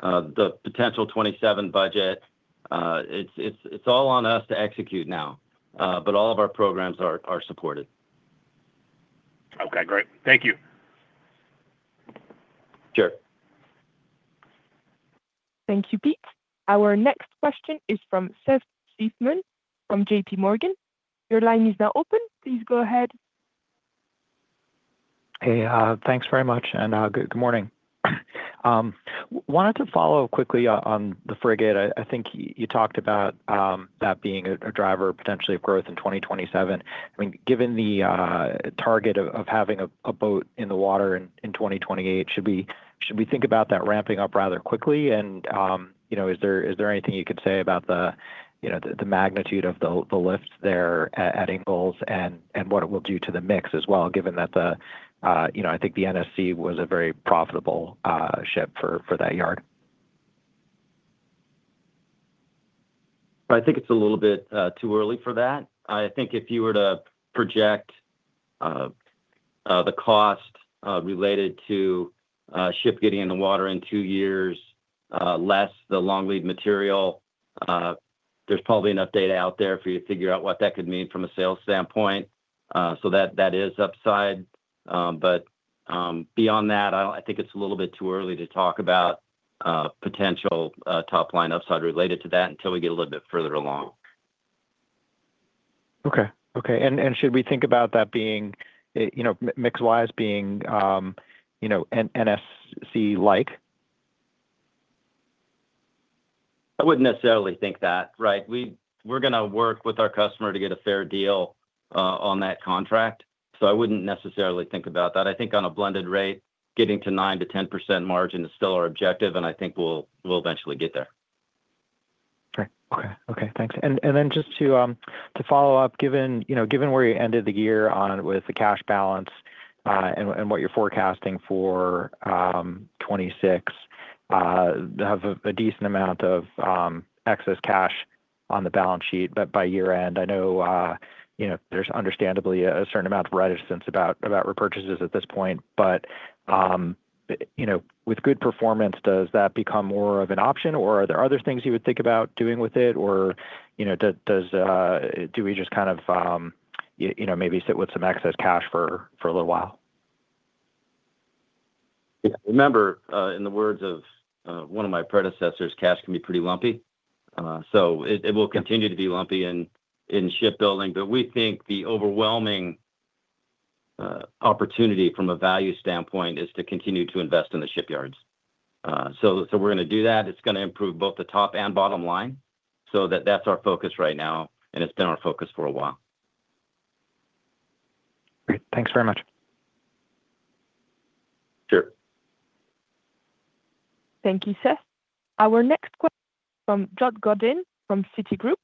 the potential 2027 budget. It's all on us to execute now, but all of our programs are supported. Okay. Great. Thank you. Sure. Thank you, Pete. Our next question is from Seth Seifman from JP Morgan. Your line is now open. Please go ahead. Hey. Thanks very much, and good morning. Wanted to follow up quickly on the frigate. I think you talked about that being a driver potentially of growth in 2027. I mean, given the target of having a boat in the water in 2028, should we think about that ramping up rather quickly? And is there anything you could say about the magnitude of the lifts there at Ingalls and what it will do to the mix as well, given that I think the NSC was a very profitable ship for that yard. I think it's a little bit too early for that. I think if you were to project the cost related to ship getting in the water in two years, less the long-lead material, there's probably enough data out there for you to figure out what that could mean from a sales standpoint. So that is upside. But beyond that, I think it's a little bit too early to talk about potential top-line upside related to that until we get a little bit further along. Okay. Okay. Should we think about that being mix-wise being NSC-like? I wouldn't necessarily think that, right? We're going to work with our customer to get a fair deal on that contract. So I wouldn't necessarily think about that. I think on a blended rate, getting to 9%-10% margin is still our objective, and I think we'll eventually get there. Okay. Okay. Okay. Thanks. And then just to follow up, given where you ended the year on with the cash balance and what you're forecasting for 2026, have a decent amount of excess cash on the balance sheet by year-end. I know there's understandably a certain amount of reticence about repurchases at this point. But with good performance, does that become more of an option, or are there other things you would think about doing with it? Or do we just kind of maybe sit with some excess cash for a little while? Yeah. Remember, in the words of one of my predecessors, cash can be pretty lumpy. So it will continue to be lumpy in shipbuilding. But we think the overwhelming opportunity from a value standpoint is to continue to invest in the shipyards. So we're going to do that. It's going to improve both the top and bottom line. So that's our focus right now, and it's been our focus for a while. Great. Thanks very much. Sure. Thank you, Seth. Our next question is from Jason Gursky from Citi.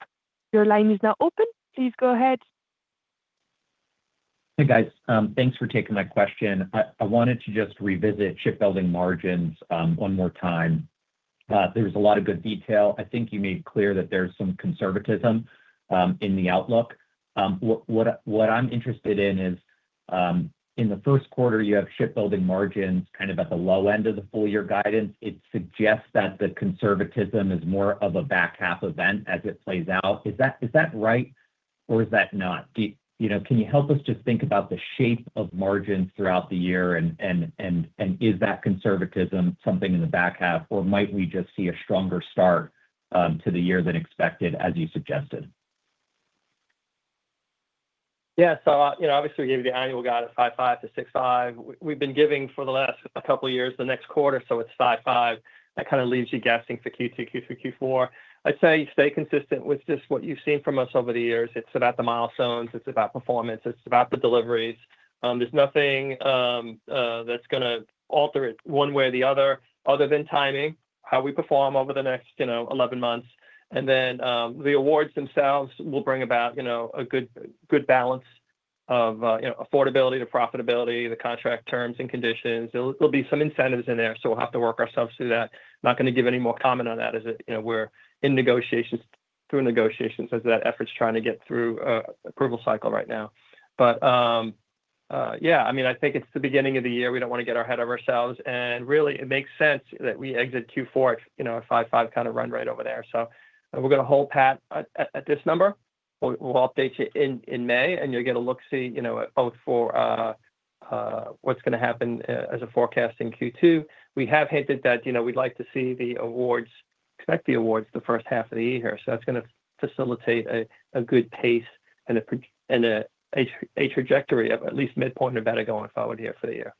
Your line is now open. Please go ahead. Hey, guys. Thanks for taking my question. I wanted to just revisit shipbuilding margins one more time. There was a lot of good detail. I think you made clear that there's some conservatism in the outlook. What I'm interested in is, in the first quarter, you have shipbuilding margins kind of at the low end of the full-year guidance. It suggests that the conservatism is more of a back half event as it plays out. Is that right, or is that not? Can you help us just think about the shape of margins throughout the year? And is that conservatism something in the back half, or might we just see a stronger start to the year than expected, as you suggested? Yeah. So obviously, we gave you the annual guide at 5.5%-6.5%. We've been giving for the last couple of years, the next quarter, so it's 5.5%. That kind of leaves you guessing for Q2, Q3, Q4. I'd say stay consistent with just what you've seen from us over the years. It's about the milestones. It's about performance. It's about the deliveries. There's nothing that's going to alter it one way or the other other than timing, how we perform over the next 11 months. And then the awards themselves will bring about a good balance of affordability to profitability, the contract terms and conditions. There'll be some incentives in there, so we'll have to work ourselves through that. Not going to give any more comment on that as we're in negotiations through negotiations as that effort's trying to get through approval cycle right now. But yeah, I mean, I think it's the beginning of the year. We don't want to get ahead of ourselves. Really, it makes sense that we exit Q4 at 5.5% kind of run right over there. So we're going to hold pat at this number. We'll update you in May, and you'll get a look-see both for what's going to happen as a forecast in Q2. We have hinted that we'd like to see the awards. We expect the awards the first half of the year here. So that's going to facilitate a good pace and a trajectory of at least midpoint or better going forward here for the year.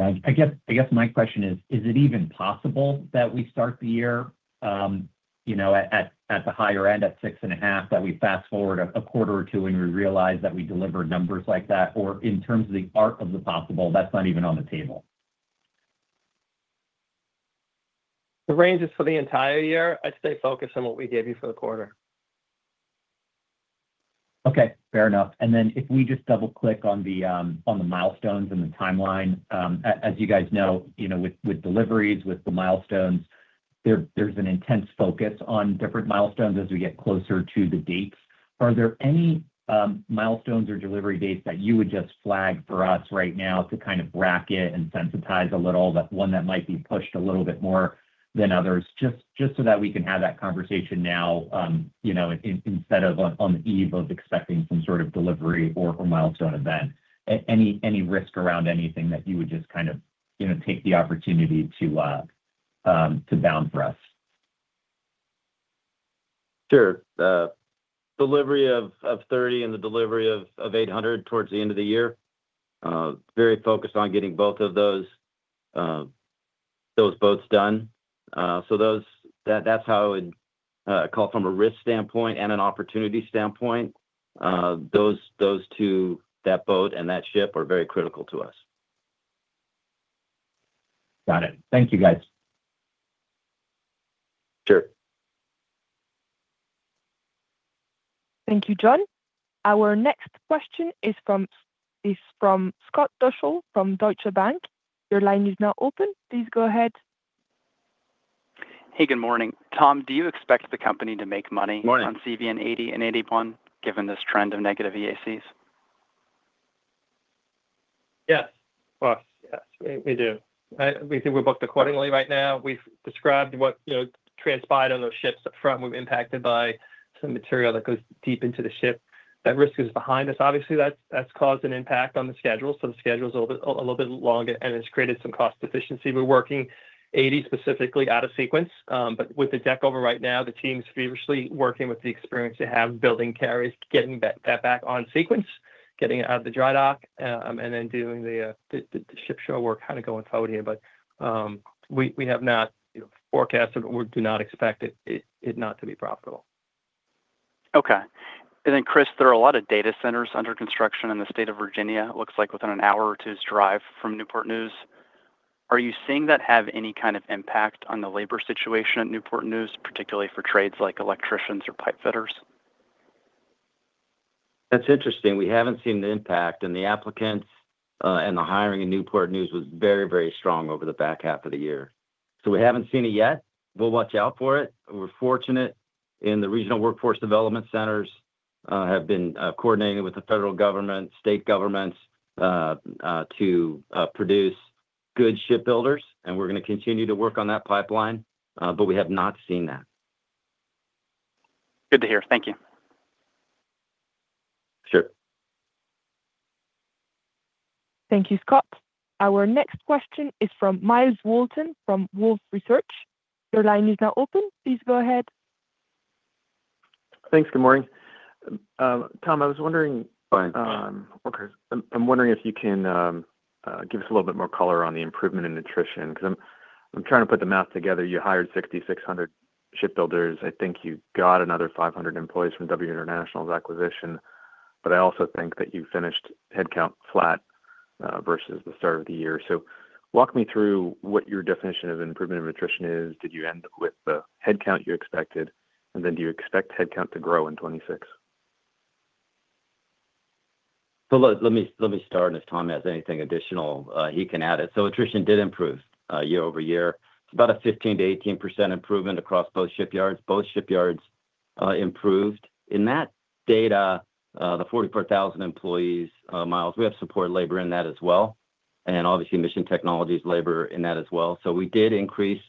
I guess my question is, is it even possible that we start the year at the higher end, at 6.5%, that we fast forward a quarter or two and we realize that we delivered numbers like that? Or in terms of the art of the possible, that's not even on the table. The range is for the entire year. I'd stay focused on what we gave you for the quarter. Okay. Fair enough. And then if we just double-click on the milestones and the timeline, as you guys know, with deliveries, with the milestones, there's an intense focus on different milestones as we get closer to the dates. Are there any milestones or delivery dates that you would just flag for us right now to kind of bracket and sensitize a little, one that might be pushed a little bit more than others, just so that we can have that conversation now instead of on the eve of expecting some sort of delivery or milestone event? Any risk around anything that you would just kind of take the opportunity to bound for us? Sure. Delivery of 30 and the delivery of 800 towards the end of the year. Very focused on getting both of those boats done. So that's how I would call from a risk standpoint and an opportunity standpoint. Those two, that boat and that ship, are very critical to us. Got it. Thank you, guys. Sure. Thank you, John. Our next question is from Scott Deuschle from Deutsche Bank. Your line is now open. Please go ahead. Hey. Good morning. Tom, do you expect the company to make money on CVN 80 and 81 given this trend of negative EACs? Yes. Yes. We do. We think we're booked accordingly right now. We've described what transpired on those ships upfront. We've been impacted by some material that goes deep into the ship. That risk is behind us. Obviously, that's caused an impact on the schedule. So the schedule's a little bit longer, and it's created some cost inefficiencies. We're working LHA-8 specifically out of sequence. But with the deck over right now, the team's feverishly working with the experience they have building carriers, getting that back on sequence, getting it out of the dry dock, and then doing the ship/shore work kind of going forward here. But we have not forecasted, or we do not expect it not to be profitable. Okay. And then, Chris, there are a lot of data centers under construction in the state of Virginia, it looks like, within an hour or two's drive from Newport News. Are you seeing that have any kind of impact on the labor situation at Newport News, particularly for trades like electricians or pipe fitters? That's interesting. We haven't seen the impact. The applicants and the hiring in Newport News was very, very strong over the back half of the year. So we haven't seen it yet. We'll watch out for it. We're fortunate. The regional workforce development centers have been coordinating with the federal government, state governments, to produce good shipbuilders. We're going to continue to work on that pipeline, but we have not seen that. Good to hear. Thank you. Sure. Thank you, Scott. Our next question is from Myles Walton from Wolfe Research. Your line is now open. Please go ahead. Thanks. Good morning. Tom, I was wondering. Okay, I'm wondering if you can give us a little bit more color on the improvement in attrition because I'm trying to put the math together. You hired 6,600 shipbuilders. I think you got another 500 employees from W International's acquisition. But I also think that you finished headcount flat versus the start of the year. So walk me through what your definition of improvement in attrition is. Did you end with the headcount you expected? And then do you expect headcount to grow in 2026? Let me start. If Tom has anything additional, he can add it. Throughput did improve year-over-year. It's about a 15%-18% improvement across both shipyards. Both shipyards improved. In that data, the 44,000 employees, Myles, we have support labor in that as well. And obviously, Mission Technologies labor in that as well. We did increase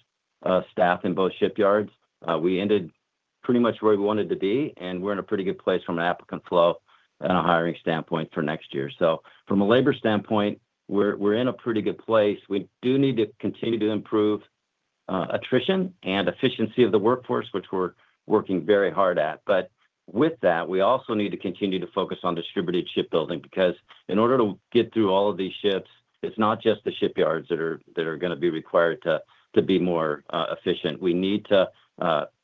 staff in both shipyards. We ended pretty much where we wanted to be, and we're in a pretty good place from an applicant flow and a hiring standpoint for next year. From a labor standpoint, we're in a pretty good place. We do need to continue to improve attrition and efficiency of the workforce, which we're working very hard at. But with that, we also need to continue to focus on distributed shipbuilding because in order to get through all of these ships, it's not just the shipyards that are going to be required to be more efficient. We need to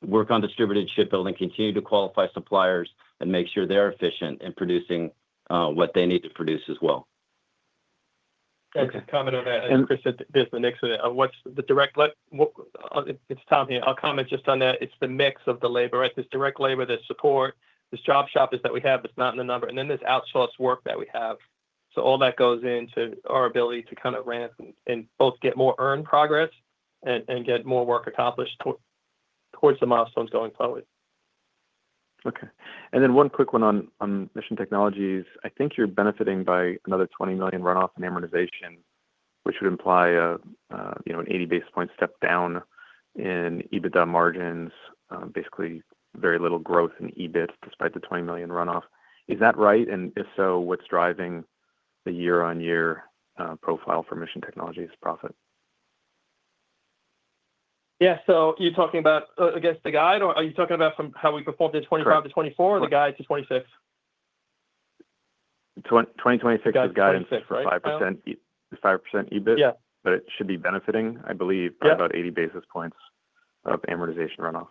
work on distributed shipbuilding, continue to qualify suppliers, and make sure they're efficient in producing what they need to produce as well. That's a comment on that. I think Chris said there's the mix of it. It's Tom here. I'll comment just on that. It's the mix of the labor, right? There's direct labor, there's support. There's job shoppers that we have that's not in the number. And then there's outsourced work that we have. So all that goes into our ability to kind of ramp and both get more earned progress and get more work accomplished towards the milestones going forward. Okay. Then one quick one on Mission Technologies. I think you're benefiting by another $20 million runoff in amortization, which would imply an 80 basis points step down in EBITDA margins, basically very little growth in EBIT despite the $20 million runoff. Is that right? And if so, what's driving the year-on-year profile for Mission Technologies profit? Yeah. So you're talking about, I guess, the guide, or are you talking about from how we performed in 2025 to 2024 or the guide to 2026? 2026 is guidance for 5% EBIT. But it should be benefiting, I believe, by about 80 basis points of amortization runoff.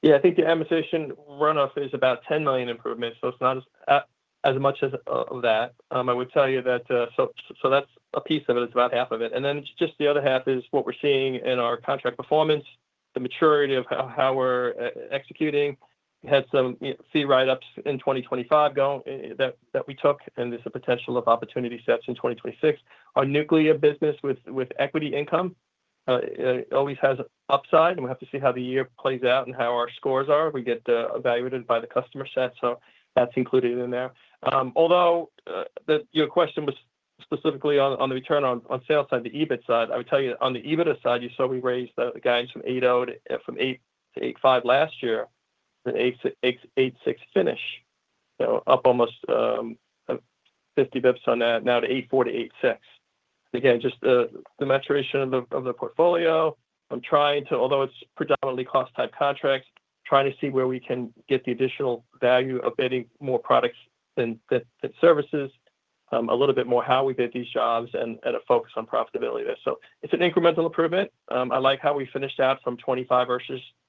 Yeah. I think the amortization runoff is about $10 million improvement. So it's not as much as that. I would tell you that so that's a piece of it. It's about half of it. And then just the other half is what we're seeing in our contract performance, the maturity of how we're executing. We had some fee write-ups in 2025 that we took, and there's a potential of opportunity sets in 2026. Our nuclear business with equity income always has upside, and we have to see how the year plays out and how our scores are. We get evaluated by the customer set, so that's included in there. Although your question was specifically on the return on sales side, the EBIT side, I would tell you on the EBITDA side, you saw we raised the guidance from 8.0% to 8.5% last year. The 8.6% finish, so up almost 50 basis points on that, now to 8.4%-8.6%. Again, just the maturation of the portfolio. I'm trying to, although it's predominantly cost-type contracts, trying to see where we can get the additional value of bidding more products than services, a little bit more how we bid these jobs, and a focus on profitability there. So it's an incremental improvement. I like how we finished out from 2025 versus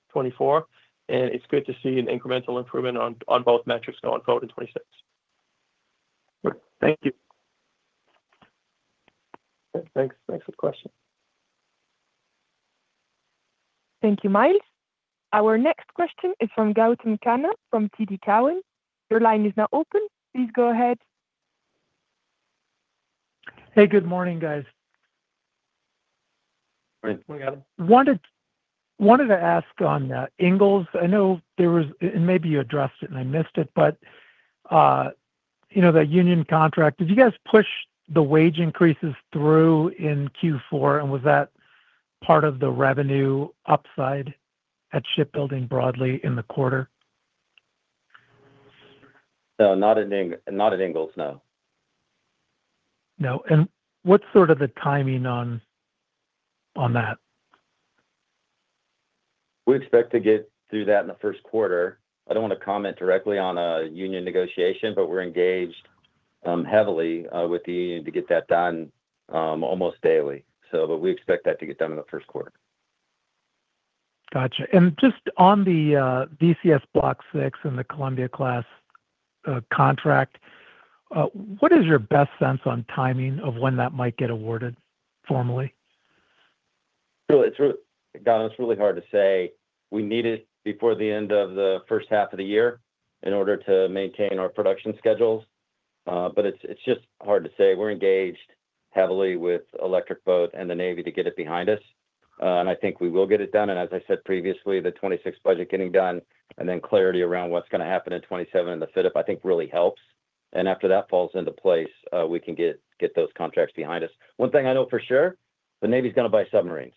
2024. And it's good to see an incremental improvement on both metrics going forward in 2026. Great. Thank you. Thanks. Thanks for the question. Thank you, Myles. Our next question is from Gautam Khanna from TD Cowen. Your line is now open. Please go ahead. Hey. Good morning, guys. Morning, Gautam. Wanted to ask on Ingalls. I know there was and maybe you addressed it, and I missed it, but the union contract, did you guys push the wage increases through in Q4, and was that part of the revenue upside at shipbuilding broadly in the quarter? No. Not at Ingalls. No. No. And what's sort of the timing on that? We expect to get through that in the first quarter. I don't want to comment directly on a union negotiation, but we're engaged heavily with the union to get that done almost daily. But we expect that to get done in the first quarter. Gotcha. And just on the VCS Block 6 and the Columbia-class contract, what is your best sense on timing of when that might get awarded formally? Gautam, it's really hard to say. We need it before the end of the first half of the year in order to maintain our production schedules. But it's just hard to say. We're engaged heavily with Electric Boat and the Navy to get it behind us. And I think we will get it done. And as I said previously, the 2026 budget getting done and then clarity around what's going to happen in 2027 and the FYDP, I think, really helps. And after that falls into place, we can get those contracts behind us. One thing I know for sure, the Navy's going to buy submarines.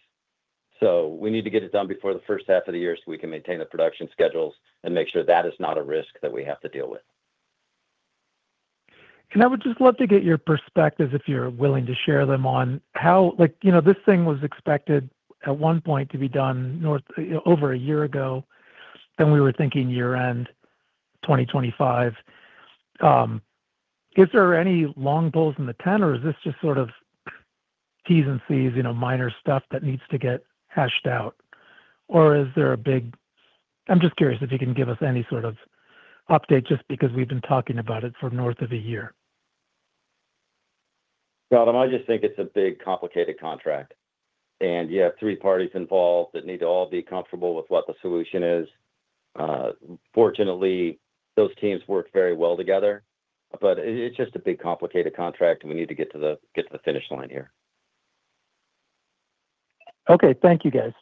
So we need to get it done before the first half of the year so we can maintain the production schedules and make sure that is not a risk that we have to deal with. And I would just love to get your perspectives, if you're willing to share them, on how this thing was expected at one point to be done over a year ago, then we were thinking year-end 2025. Is there any long poles in the tent, or is this just sort of T's and C's, minor stuff that needs to get hashed out? Or is there a big I'm just curious if you can give us any sort of update just because we've been talking about it for north of a year. Gautam, I just think it's a big complicated contract. You have three parties involved that need to all be comfortable with what the solution is. Fortunately, those teams work very well together. It's just a big complicated contract, and we need to get to the finish line here. Okay. Thank you, guys.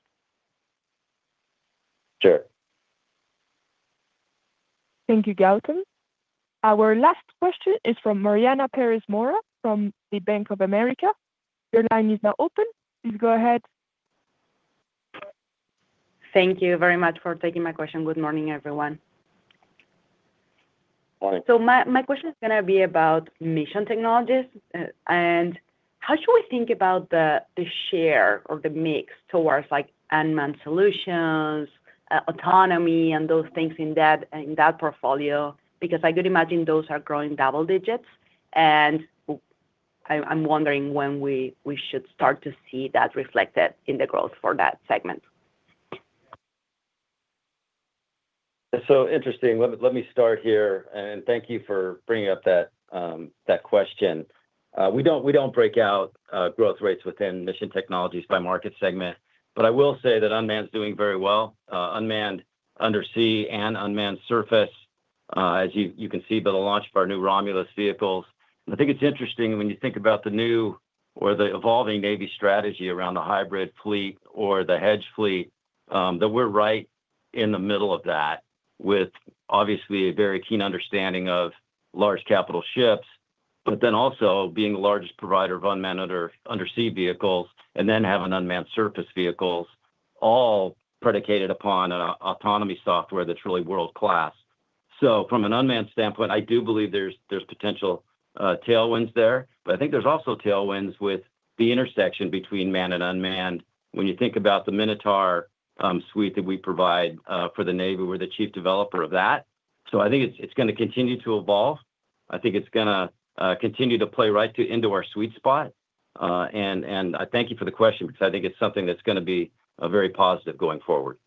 Sure. Thank you, Gautam. Our last question is from Mariana Pérez Mora from the Bank of America. Your line is now open. Please go ahead. Thank you very much for taking my question. Good morning, everyone. Morning. My question is going to be about Mission Technologies. How should we think about the share or the mix towards unmanned solutions, autonomy, and those things in that portfolio? Because I could imagine those are growing double digits. I'm wondering when we should start to see that reflected in the growth for that segment. So interesting. Let me start here. Thank you for bringing up that question. We don't break out growth rates within Mission Technologies by market segment. But I will say that unmanned is doing very well, unmanned undersea and unmanned surface, as you can see by the launch of our new Romulus vehicles. And I think it's interesting when you think about the new or the evolving Navy strategy around the hybrid fleet or the hedge fleet, that we're right in the middle of that with, obviously, a very keen understanding of large-capital ships, but then also being the largest provider of unmanned undersea vehicles and then having unmanned surface vehicles, all predicated upon an autonomy software that's really world-class. So from an unmanned standpoint, I do believe there's potential tailwinds there. But I think there's also tailwinds with the intersection between manned and unmanned. When you think about the Minotaur suite that we provide for the Navy, we're the chief developer of that. So I think it's going to continue to evolve. I think it's going to continue to play right into our sweet spot. And I thank you for the question because I think it's something that's going to be very positive going forward.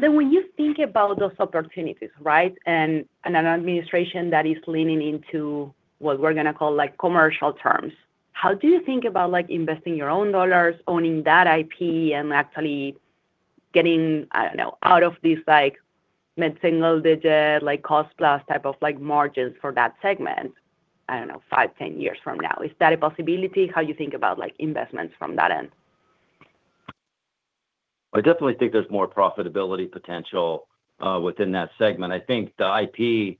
Then when you think about those opportunities, right, and an administration that is leaning into what we're going to call commercial terms, how do you think about investing your own dollars, owning that IP, and actually getting, I don't know, out of these mid-single-digit cost-plus type of margins for that segment, I don't know, 5, 10 years from now? Is that a possibility? How do you think about investments from that end? I definitely think there's more profitability potential within that segment. I think the IP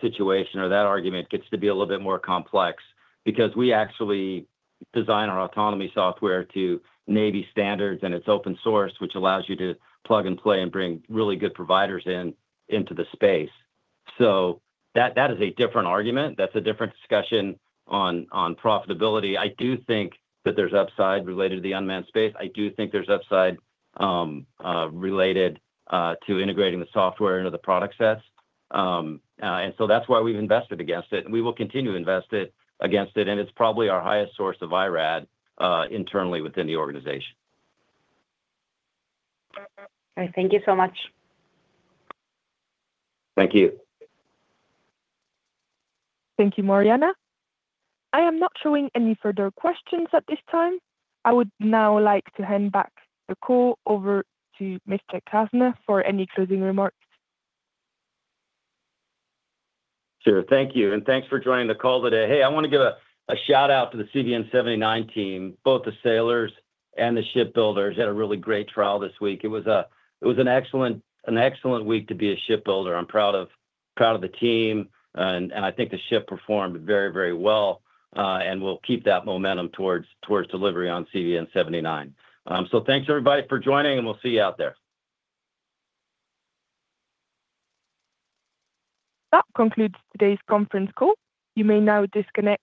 situation or that argument gets to be a little bit more complex because we actually design our autonomy software to Navy standards, and it's open-source, which allows you to plug and play and bring really good providers into the space. So that is a different argument. That's a different discussion on profitability. I do think that there's upside related to the unmanned space. I do think there's upside related to integrating the software into the product sets. And so that's why we've invested against it. And we will continue to invest against it. And it's probably our highest source of IRAD internally within the organization. All right. Thank you so much. Thank you. Thank you, Mariana. I am not showing any further questions at this time. I would now like to hand back the call over to Mr. Kastner for any closing remarks. Sure. Thank you. And thanks for joining the call today. Hey, I want to give a shout-out to the CVN 79 team, both the sailors and the shipbuilders. You had a really great trial this week. It was an excellent week to be a shipbuilder. I'm proud of the team. And I think the ship performed very, very well. And we'll keep that momentum towards delivery on CVN 79. So thanks, everybody, for joining, and we'll see you out there. That concludes today's conference call. You may now disconnect.